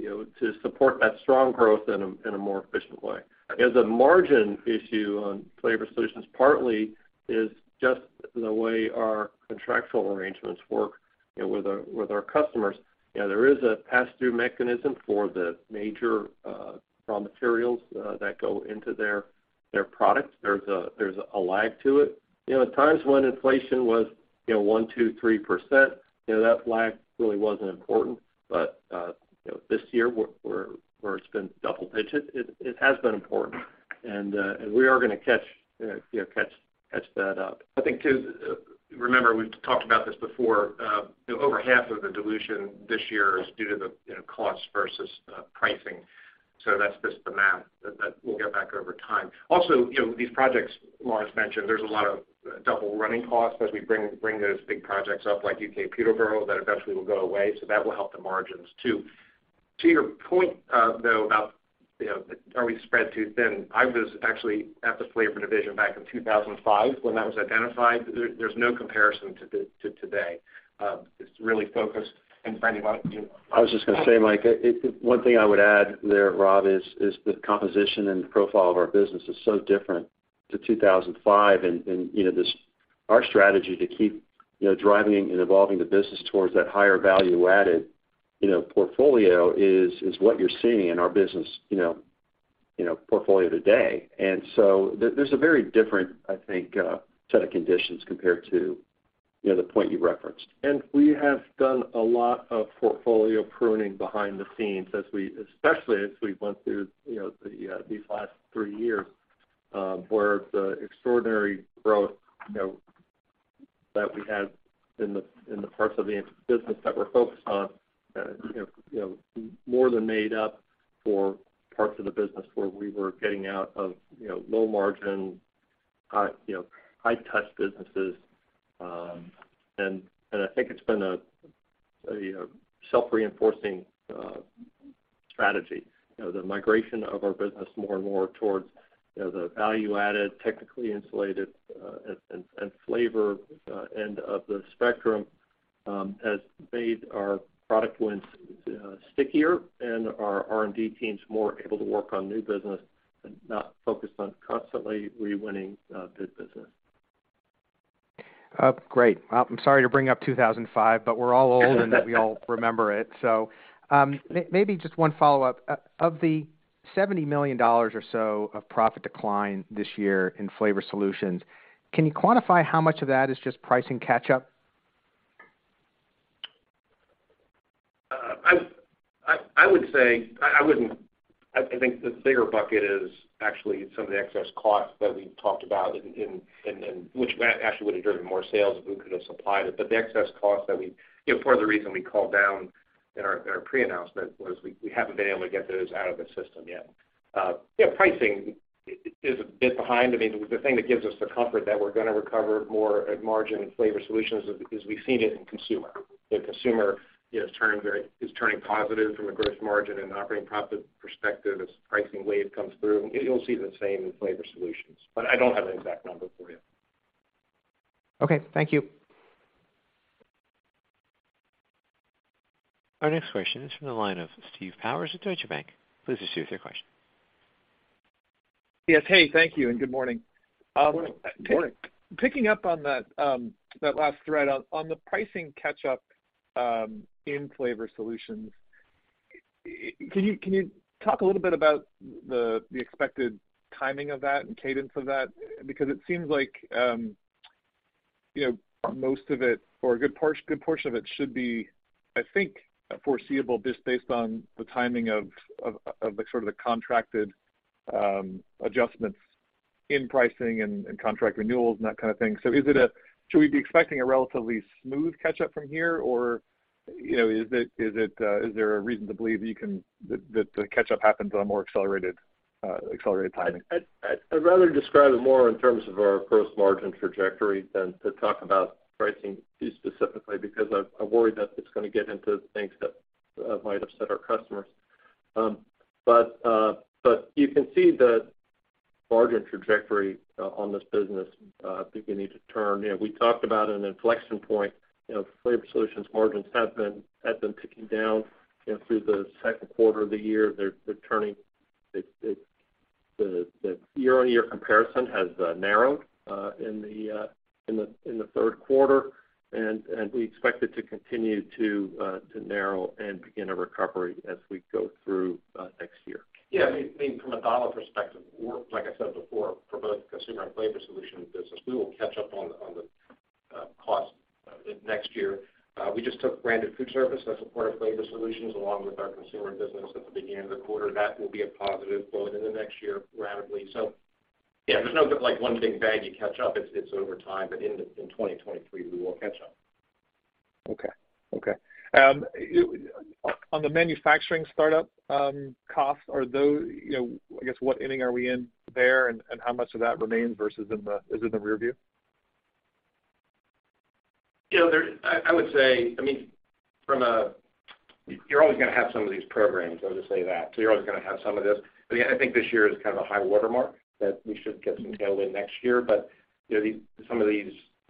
to support that strong growth in a more efficient way. You know, the margin issue on Flavor Solutions partly is just the way our contractual arrangements work, you know, with our customers. You know, there is a pass-through mechanism for the major raw materials that go into their products. There's a lag to it. You know, at times when inflation was, you know, 1%, 2%, 3%, that lag really wasn't important. You know, this year where it's been double digits, it has been important. We are gonna catch that up. I think too, remember, we've talked about this before, you know, over half of the dilution this year is due to the, you know, costs versus pricing. That's just the math that we'll get back over time. Also, you know, these projects Lawrence mentioned, there's a lot of double running costs as we bring those big projects up, like U.K. Peterborough, that eventually will go away, so that will help the margins too. To your point, though, about, you know, are we spread too thin? I was actually at the flavor division back in 2005 when that was identified. There's no comparison to today. It's really focused. Brendan, why don't you- I was just gonna say, Mike, one thing I would add there, Rob, is the composition and profile of our business is so different to 2005. You know, this, our strategy to keep, you know, driving and evolving the business towards that higher value-added, you know, portfolio is what you're seeing in our business, you know, portfolio today. There's a very different, I think, set of conditions compared to, you know, the point you referenced. We have done a lot of portfolio pruning behind the scenes, especially as we went through, you know, these last three years, where the extraordinary growth, you know, that we had in the parts of the business that we're focused on, you know, more than made up for parts of the business where we were getting out of, you know, low margin, high-touch businesses. I think it's been a self-reinforcing strategy. You know, the migration of our business more and more towards, you know, the value-added, technically insulated, and flavor end of the spectrum has made our product wins stickier and our R&D teams more able to work on new business and not focused on constantly re-winning bid business. Great. Well, I'm sorry to bring up 2005, but we're all old and that we all remember it. Maybe just one follow-up. Of the $70 million or so of profit decline this year in Flavor Solutions, can you quantify how much of that is just pricing catch up? I would say I wouldn't I think the bigger bucket is actually some of the excess costs that we've talked about in which actually would've driven more sales if we could have supplied it. The excess cost that we you know, part of the reason we called down in our pre-announcement was we haven't been able to get those out of the system yet. Yeah, pricing is a bit behind. I mean, the thing that gives us the comfort that we're gonna recover more at margin in Flavor Solutions is we've seen it in Consumer. You know, Consumer is turning positive from a gross margin and operating profit perspective as pricing wave comes through. You'll see the same in Flavor Solutions, but I don't have an exact number for you. Okay. Thank you. Our next question is from the line of Steve Powers at Deutsche Bank. Please proceed with your question. Yes. Hey, thank you and good morning. Good morning. Picking up on that last thread on the pricing catch-up in Flavor Solutions. Can you talk a little bit about the expected timing of that and cadence of that? Because it seems like, you know, most of it or a good portion of it should be, I think, foreseeable just based on the timing of like sort of the contracted adjustments in pricing and contract renewals and that kind of thing. Should we be expecting a relatively smooth catch-up from here? Or, you know, is there a reason to believe that the catch-up happens on a more accelerated timing? I'd rather describe it more in terms of our gross margin trajectory than to talk about pricing specifically, because I worry that it's gonna get into things that might upset our customers. You can see the margin trajectory on this business beginning to turn. You know, we talked about an inflection point. You know, Flavor Solutions margins have been ticking down through the second quarter of the year. They're turning. It's. The year-on-year comparison has narrowed in the third quarter. We expect it to continue to narrow and begin a recovery as we go through next year. Yeah, I mean, from a dollar perspective, we're, like I said before, for both Consumer and Flavor Solutions business, we will catch up on the cost next year. We just took branded food service as a part of Flavor Solutions, along with our Consumer business at the beginning of the quarter. That will be a positive going into next year rapidly. So yeah, there's no like one big bag, you catch up. It's over time, but in 2023, we will catch up. Okay. On the manufacturing startup costs, are those, you know, I guess, what inning are we in there, and how much of that remains versus, is it in the rear view? You know, I would say, I mean, you're always gonna have some of these programs, I'll just say that. You're always gonna have some of this. Yeah, I think this year is kind of a high watermark that we should get some tailwind next year. You know,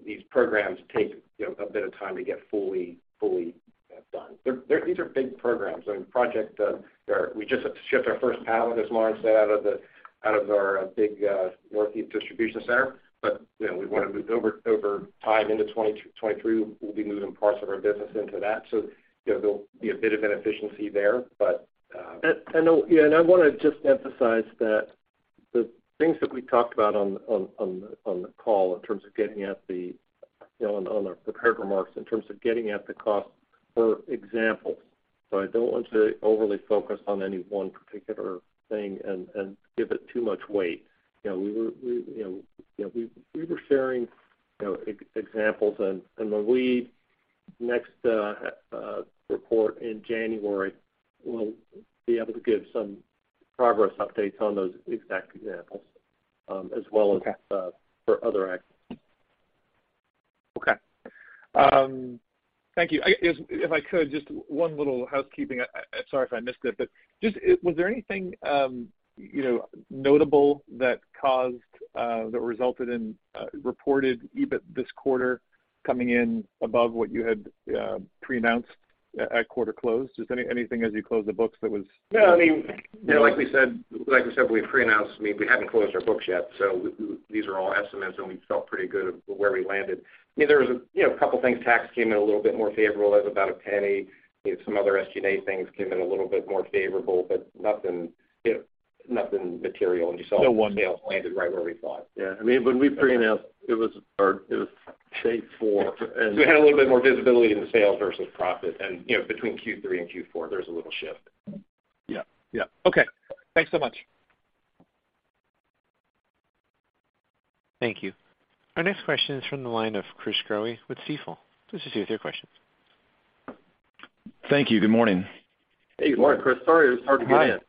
these programs take, you know, a bit of time to get fully done. These are big programs. I mean, we just shipped our first pallet, as Lawrence said, out of our big Northeast distribution center. You know, we wanna move over time into 2023. We'll be moving parts of our business into that. You know, there'll be a bit of an efficiency there, but- Yeah, I wanna just emphasize that the things that we talked about on the call in terms of getting at the, you know, on our prepared remarks in terms of getting at the cost were examples. I don't want to overly focus on any one particular thing and give it too much weight. You know, we were sharing, you know, examples and when we next report in January, we'll be able to give some progress updates on those exact examples as well as- Okay.... for other items. Okay. Thank you. If I could, just one little housekeeping. I'm sorry if I missed it, but just was there anything, you know, notable that caused that resulted in reported EBIT this quarter coming in above what you had pre-announced at quarter close? Is anything as you closed the books that was? No, I mean, you know, like we said, we pre-announced. I mean, we haven't closed our books yet, so these are all estimates, and we felt pretty good about where we landed. I mean, there was a, you know, a couple things. Taxes came in a little bit more favorable. That was about $0.01. You know, some other SG&A things came in a little bit more favorable, but nothing, you know, nothing material. You saw- No one-... sales landed right where we thought. Yeah. I mean, when we pre-announced, it was hard. It was- We had a little bit more visibility in the sales versus profit. You know, between Q3 and Q4, there's a little shift. Yeah. Yeah. Okay. Thanks so much. Thank you. Our next question is from the line of Chris Growe with Stifel. Please proceed with your question. Thank you. Good morning. Hey, good morning, Chris. Sorry, it was hard to get in.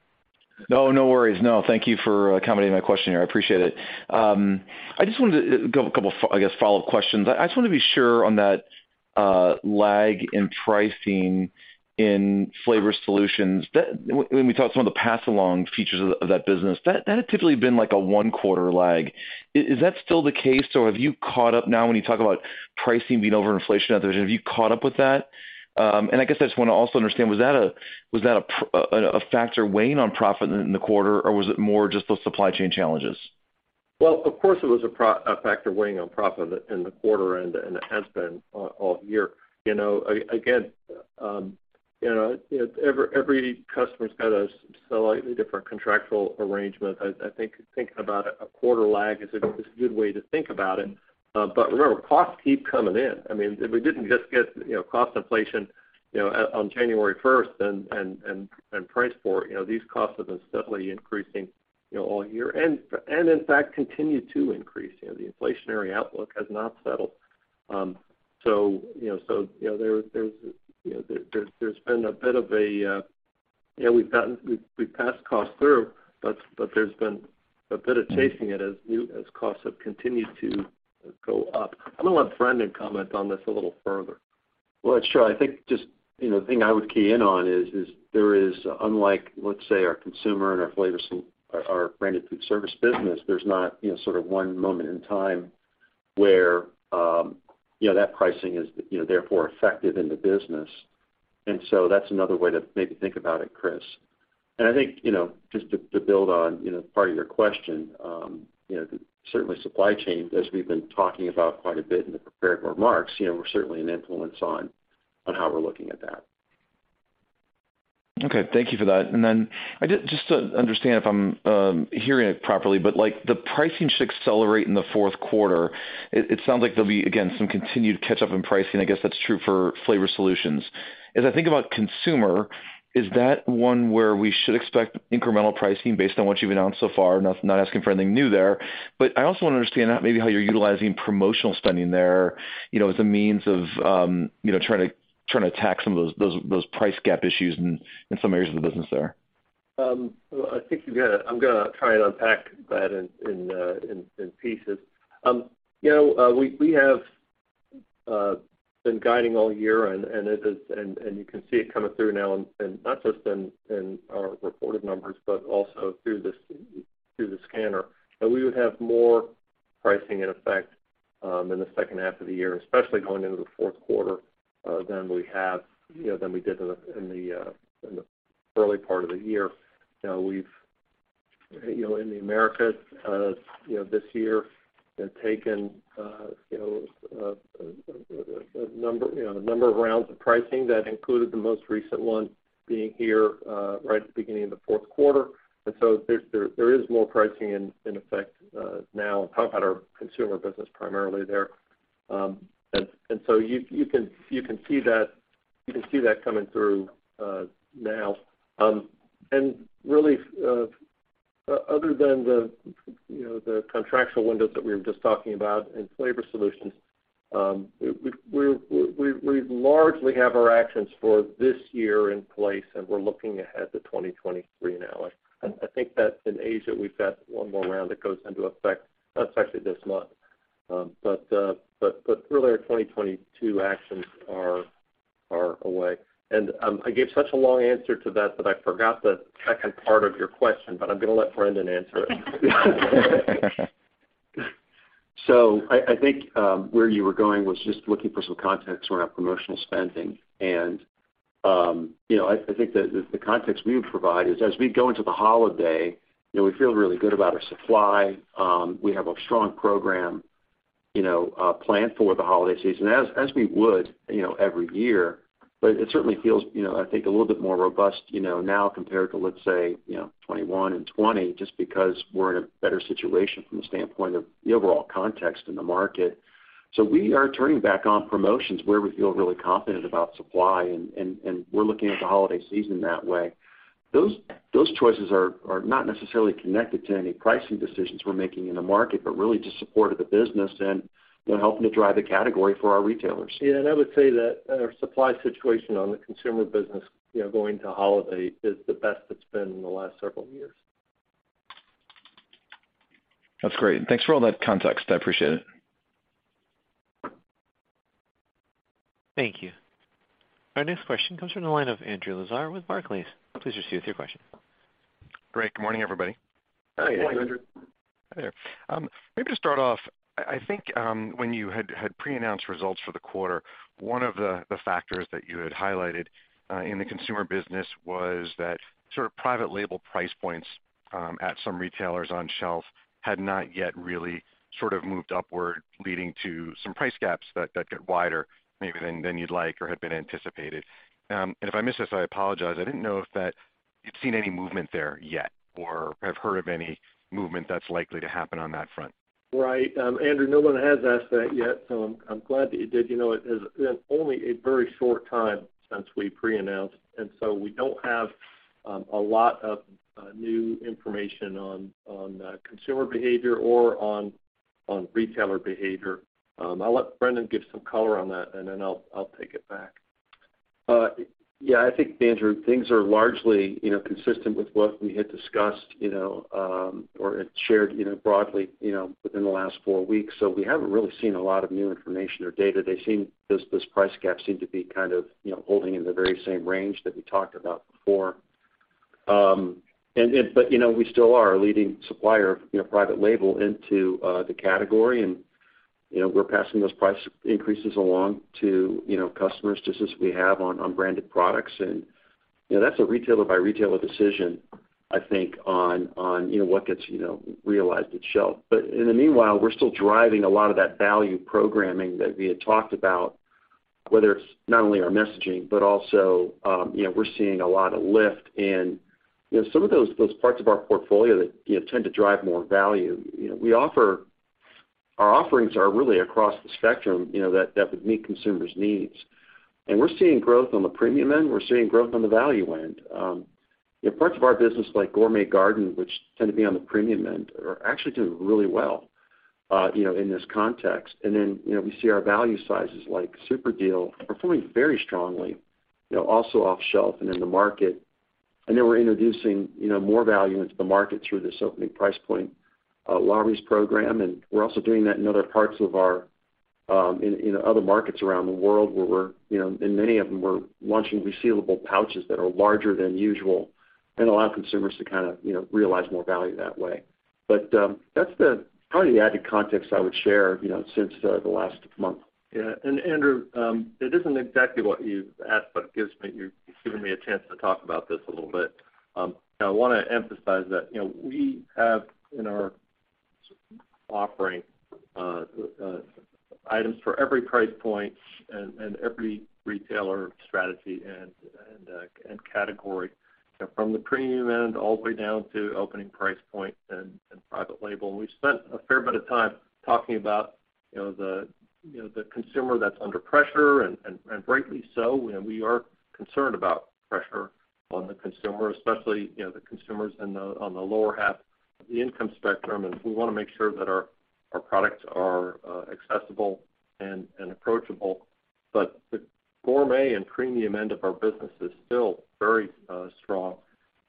No, no worries. No, thank you for accommodating my question here. I appreciate it. I just wanted to go. I guess, follow-up questions. I just wanna be sure on that, lag in pricing in Flavor Solutions. When we talk some of the pass-along features of that business, that had typically been like a one quarter lag. Is that still the case, or have you caught up now when you talk about pricing being over inflation out there, have you caught up with that? I guess I just wanna also understand, was that a factor weighing on profit in the quarter, or was it more just those supply chain challenges? Well, of course, it was a factor weighing on profit in the quarter and it has been all year. You know, again, you know, every customer's got a slightly different contractual arrangement. I think thinking about a quarter lag is a good way to think about it. Remember, costs keep coming in. I mean, we didn't just get, you know, cost inflation, you know, on January 1st and price for it. You know, these costs have been steadily increasing, you know, all year and in fact continue to increase. You know, the inflationary outlook has not settled. You know, there's been a bit of a, you know, we've passed costs through, but there's been a bit of chasing it as new costs have continued to go up. I'm gonna let Brendan comment on this a little further. Well, sure. I think just, you know, the thing I would key in on is there is unlike, let's say, our consumer and our branded food service business, there's not, you know, sort of one moment in time we're, you know, that pricing is, you know, therefore effective in the business. That's another way to maybe think about it, Chris. I think, you know, just to build on, you know, part of your question, you know, certainly supply chain, as we've been talking about quite a bit in the prepared remarks, you know, we're certainly an influence on how we're looking at that. Okay. Thank you for that. Just to understand if I'm hearing it properly, but, like, the pricing should accelerate in the fourth quarter. It sounds like there'll be, again, some continued catch-up in pricing. I guess that's true for Flavor Solutions. As I think about Consumer, is that one where we should expect incremental pricing based on what you've announced so far? Not asking for anything new there, but I also wanna understand maybe how you're utilizing promotional spending there, you know, as a means of, you know, trying to attack some of those price gap issues in some areas of the business there. Well, I think I'm gonna try and unpack that in pieces. You know, we have been guiding all year and you can see it coming through now and not just in our reported numbers, but also through the scanner, that we would have more pricing in effect in the second half of the year, especially going into the fourth quarter, than we have, you know, than we did in the early part of the year. You know, we've, you know, in the Americas, you know, this year have taken, you know, a number of rounds of pricing that included the most recent one being here right at the beginning of the fourth quarter. There is more pricing in effect now. I'm talking about our Consumer business primarily there. You can see that coming through now. Really, other than the, you know, the contractual windows that we were just talking about in Flavor Solutions, we largely have our actions for this year in place, and we're looking ahead to 2023 now. I think that in Asia, we've got one more round that goes into effect, it's actually this month. Really our 2022 actions are away. I gave such a long answer to that I forgot the second part of your question, but I'm gonna let Brendan answer it. I think where you were going was just looking for some context around promotional spending. You know, I think the context we would provide is as we go into the holiday, you know, we feel really good about our supply. We have a strong program, you know, planned for the holiday season, as we would, you know, every year. It certainly feels, you know, I think a little bit more robust, you know, now compared to, let's say, you know, 2021 and 2020, just because we're in a better situation from the standpoint of the overall context in the market. We are turning back on promotions where we feel really confident about supply and we're looking at the holiday season that way. Those choices are not necessarily connected to any pricing decisions we're making in the market, but really just support of the business and, you know, helping to drive the category for our retailers. Yeah, I would say that our supply situation on the Consumer business, you know, going to holiday is the best it's been in the last several years. That's great. Thanks for all that context. I appreciate it. Thank you. Our next question comes from the line of Andrew Lazar with Barclays. Please proceed with your question. Great. Good morning, everybody. Hi, Andrew. Good morning. Hi there. Maybe to start off, I think, when you had pre-announced results for the quarter, one of the factors that you had highlighted in the Consumer business was that sort of private label price points at some retailers on shelf had not yet really sort of moved upward leading to some price gaps that get wider maybe than you'd like or had been anticipated. If I missed this, I apologize. I didn't know if you've seen any movement there yet, or have heard of any movement that's likely to happen on that front. Right. Andrew, no one has asked that yet, so I'm glad that you did. You know, it has been only a very short time since we pre-announced, and so we don't have a lot of new information on consumer behavior or on retailer behavior. I'll let Brendan give some color on that, and then I'll take it back. Yeah, I think, Andrew, things are largely, you know, consistent with what we had discussed, you know, or had shared, you know, broadly, you know, within the last four weeks. We haven't really seen a lot of new information or data. They seem, those price gaps seem to be kind of, you know, holding in the very same range that we talked about before. But, you know, we still are a leading supplier, you know, private label into the category and, you know, we're passing those price increases along to, you know, customers just as we have on branded products. You know, that's a retailer by retailer decision, I think, on what gets, you know, realized at shelf. In the meanwhile, we're still driving a lot of that value programming that we had talked about, whether it's not only our messaging, but also, you know, we're seeing a lot of lift in, you know, some of those parts of our portfolio that, you know, tend to drive more value. You know, we offer our offerings are really across the spectrum, you know, that would meet consumers' needs. We're seeing growth on the premium end. We're seeing growth on the value end. You know, parts of our business like Gourmet Garden, which tend to be on the premium end, are actually doing really well, you know, in this context. Then, you know, we see our value sizes like Super Deal performing very strongly, you know, also off shelf and in the market. We're introducing, you know, more value into the market through this opening price point Lawry's program, and we're also doing that in other parts of our... In other markets around the world where we're, you know, in many of them, we're launching resealable pouches that are larger than usual and allow consumers to kind of, you know, realize more value that way. That's probably the added context I would share, you know, since the last month. Yeah. Andrew, it isn't exactly what you've asked, but you're giving me a chance to talk about this a little bit. I wanna emphasize that, you know, we have in our offering items for every price point and every retailer strategy and category, from the premium end all the way down to opening price point and private label. We've spent a fair bit of time talking about, you know, the consumer that's under pressure, and rightly so. You know, we are concerned about pressure on the consumer, especially, you know, the consumers on the lower half of the income spectrum. We wanna make sure that our products are accessible and approachable. The gourmet and premium end of our business is still very strong.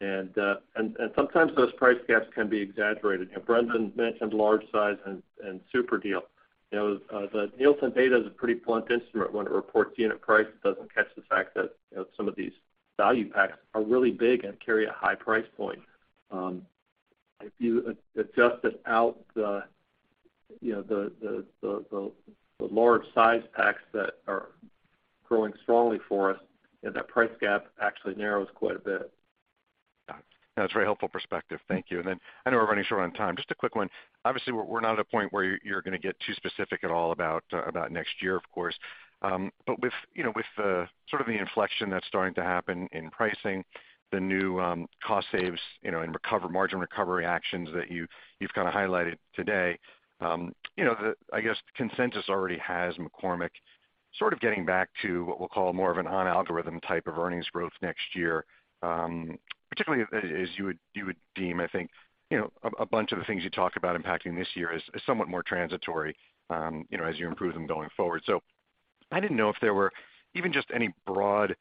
Sometimes those price gaps can be exaggerated. You know, Brendan mentioned large size and Super Deal. You know, the Nielsen data is a pretty blunt instrument when it reports unit price. It doesn't catch the fact that, you know, some of these value packs are really big and carry a high price point. If you adjust it out, you know, the large size packs that are growing strongly for us, then that price gap actually narrows quite a bit. Got it. That's a very helpful perspective. Thank you. I know we're running short on time. Just a quick one. Obviously, we're not at a point where you're gonna get too specific at all about next year, of course. But with, you know, with the sort of the inflection that's starting to happen in pricing, the new cost savings, you know, and margin recovery actions that you've kind of highlighted today, you know, the, I guess, consensus already has McCormick sort of getting back to what we'll call more of an on-algorithm type of earnings growth next year, particularly as you would deem, I think, you know, a bunch of the things you talk about impacting this year as somewhat more transitory, you know, as you improve them going forward. I didn't know if there were even just any broad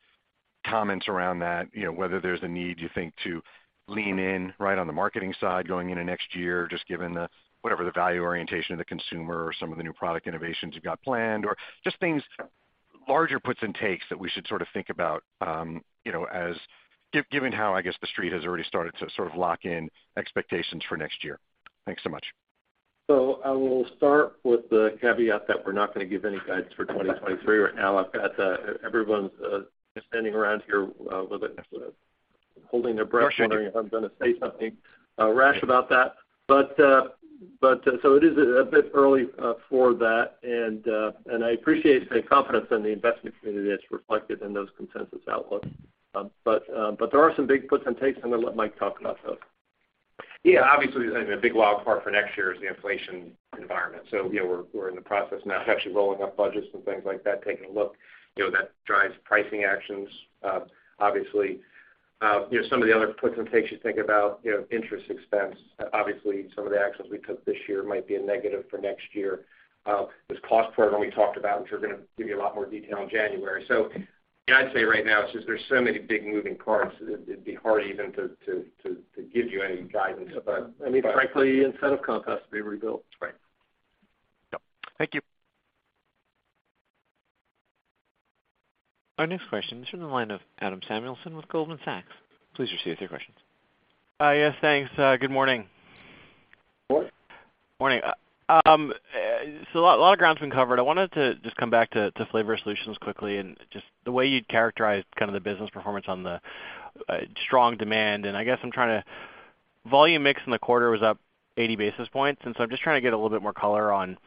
comments around that, you know, whether there's a need, you think, to lean in right on the marketing side going into next year. Just given the, whatever the value orientation of the consumer or some of the new product innovations you've got planned, or just things larger puts and takes that we should sort of think about, you know, as given how, I guess, the Street has already started to sort of lock in expectations for next year. Thanks so much. I will start with the caveat that we're not gonna give any guidance for 2023 right now. I've got everyone's standing around here a little bit sort of holding their breath, wondering if I'm gonna say something rash about that. It is a bit early for that and I appreciate the confidence in the investment community that's reflected in those consensus outlooks. There are some big puts and takes, I'm gonna let Mike talk about those. Yeah. Obviously, a big wild card for next year is the inflation environment. You know, we're in the process now of actually rolling up budgets and things like that, taking a look. You know, that drives pricing actions, obviously. You know, some of the other puts and takes you think about, you know, interest expense. Obviously, some of the actions we took this year might be a negative for next year. This cost program we talked about, which we're gonna give you a lot more detail in January. You know, I'd say right now it's just there's so many big moving parts, it'd be hard even to give you any guidance. But- I mean, frankly, a set of comps has to be rebuilt. That's right. Yep. Thank you. Our next question is from the line of Adam Samuelson with Goldman Sachs. Please proceed with your questions. Yes, thanks. Good morning. Morning. Morning. A lot of ground's been covered. I wanted to just come back to Flavor Solutions quickly and just the way you'd characterized kind of the business performance on the strong demand. I guess I'm trying to volume mix in the quarter was up 80 basis points, and I'm just trying to get a little bit more color on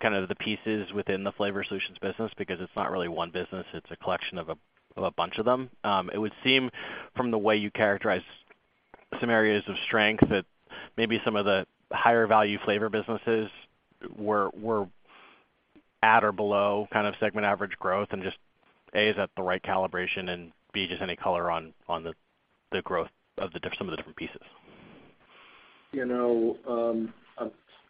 kind of the pieces within the Flavor Solutions business, because it's not really one business, it's a collection of a bunch of them. It would seem from the way you characterize some areas of strength that maybe some of the higher value flavor businesses were at or below kind of segment average growth. Just A, is that the right calibration, and B, just any color on the growth of some of the different pieces.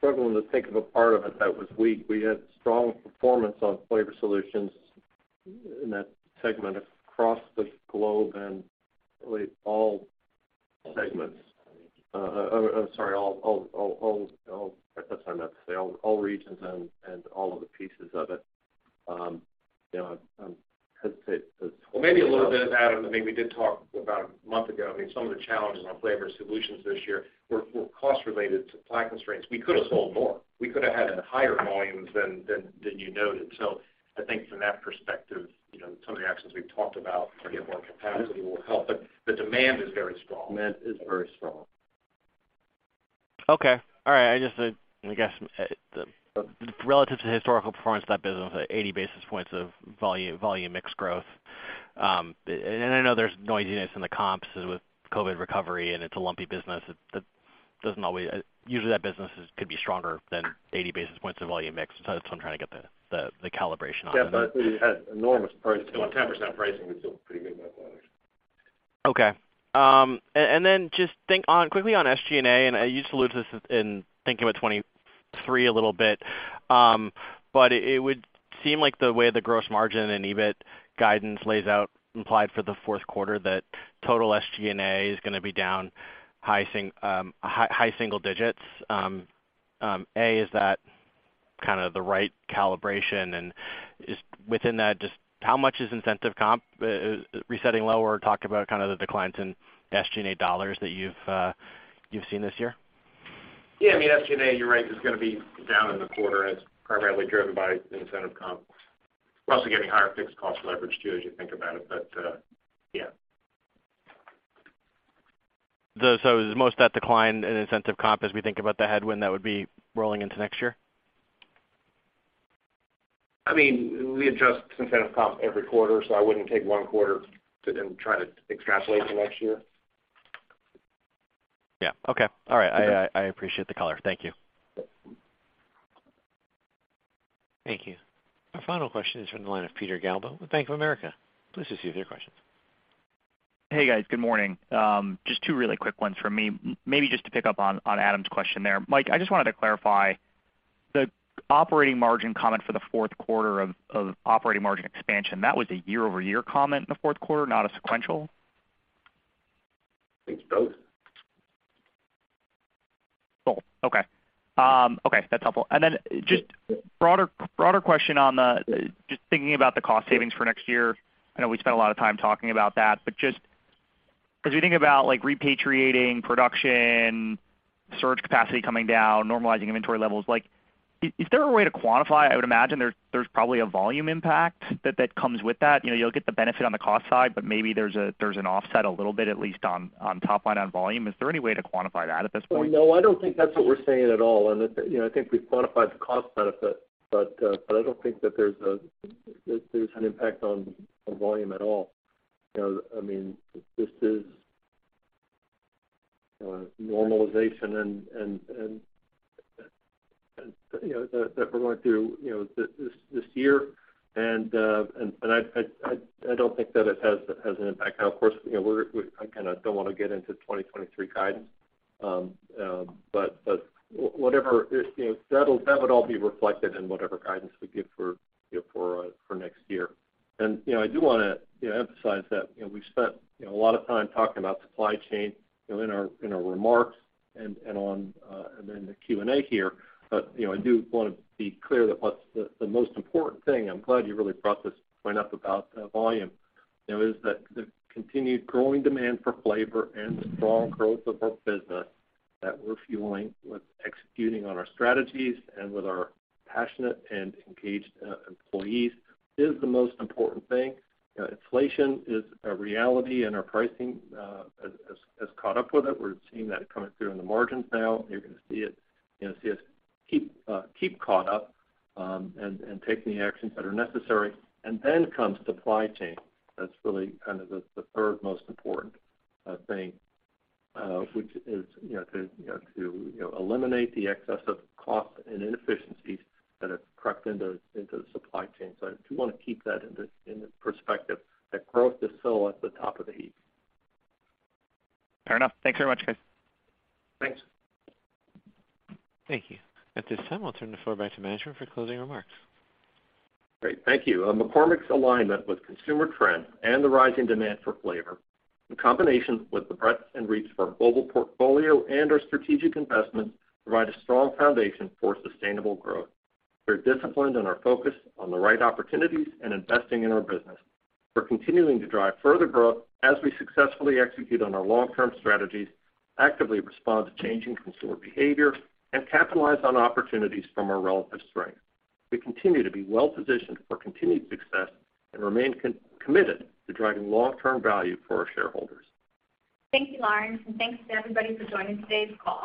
You know, I'm struggling to think of a part of it that was weak. We had strong performance on Flavor Solutions in that segment across the globe and really all regions and all of the pieces of it. Well, maybe a little bit, Adam, I mean, we did talk about a month ago, I mean, some of the challenges on Flavor Solutions this year were cost related to supply constraints. We could have sold more. We could have had higher volumes than you noted. I think from that perspective, you know, some of the actions we've talked about to get more capacity will help. The demand is very strong. Demand is very strong. Okay. All right. I just, I guess, relative to historical performance of that business, 80 basis points of volume mix growth. And I know there's noisiness in the comps with COVID recovery, and it's a lumpy business. That doesn't usually, that business could be stronger than 80 basis points of volume mix. That's why I'm trying to get the calibration on that. Yeah, but we had enormous price. On 10% pricing, we feel pretty good about that, actually. Okay. And then quickly on SG&A, and I used to lose this in thinking about 2023 a little bit. But it would seem like the way the gross margin and EBIT guidance lays out implies for the fourth quarter that total SG&A is gonna be down high single digits. Is that kind of the right calibration? And within that, just how much is incentive comp resetting lower? Talk about kind of the declines in SG&A dollars that you've seen this year. Yeah, I mean, SG&A, you're right, is gonna be down in the quarter, and it's primarily driven by incentive comp. We're also getting higher fixed cost leverage too, as you think about it. Yeah. It was most of that decline in incentive comp as we think about the headwind that would be rolling into next year? I mean, we adjust incentive comp every quarter, so I wouldn't take one quarter to then try to extrapolate to next year. Yeah. Okay. All right. Okay. I appreciate the color. Thank you. Yep. Thank you. Our final question is from the line of Peter Galbo with Bank of America. Please proceed with your questions. Hey, guys. Good morning. Just two really quick ones from me. Maybe just to pick up on Adam's question there. Mike, I just wanted to clarify. The operating margin comment for the fourth quarter of operating margin expansion, that was a year-over-year comment in the fourth quarter, not a sequential? I think it's both. Both. Okay, that's helpful. Just broader question on just thinking about the cost savings for next year. I know we spent a lot of time talking about that. Just as you think about, like, repatriating production, surge capacity coming down, normalizing inventory levels, like, is there a way to quantify? I would imagine there's probably a volume impact that comes with that. You know, you'll get the benefit on the cost side, but maybe there's an offset a little bit, at least on top line on volume. Is there any way to quantify that at this point? Well, no, I don't think that's what we're saying at all. You know, I think we've quantified the cost benefit, but I don't think that there's an impact on volume at all. You know, I mean, this is normalization and you know that we're going through this year. I don't think that it has an impact. Now, of course, you know, I kinda don't wanna get into 2023 guidance. But whatever is, you know, that'll, that would all be reflected in whatever guidance we give for, you know, for next year. You know, I do wanna, you know, emphasize that, you know, we've spent, you know, a lot of time talking about supply chain, you know, in our remarks and on and in the Q&A here. You know, I do wanna be clear that what's the most important thing, I'm glad you really brought this point up about volume, you know, is that the continued growing demand for flavor and the strong growth of our business that we're fueling with executing on our strategies and with our passionate and engaged employees is the most important thing. You know, inflation is a reality and our pricing has caught up with it. We're seeing that coming through in the margins now. You're gonna see it, you know, see us keep caught up and take the actions that are necessary. Then comes supply chain. That's really kind of the third most important thing, which is, you know, to eliminate the excessive cost and inefficiencies that have crept into the supply chain. I do wanna keep that in the perspective that growth is still at the top of the heap. Fair enough. Thanks very much, guys. Thanks. Thank you. At this time, I'll turn the floor back to management for closing remarks. Great. Thank you. McCormick's alignment with consumer trend and the rising demand for flavor, in combination with the breadth and reach of our global portfolio and our strategic investments, provide a strong foundation for sustainable growth. We're disciplined in our focus on the right opportunities and investing in our business. We're continuing to drive further growth as we successfully execute on our long-term strategies, actively respond to changing consumer behavior, and capitalize on opportunities from our relative strength. We continue to be well-positioned for continued success and remain committed to driving long-term value for our shareholders. Thank you, Lawrence, and thanks to everybody for joining today's call.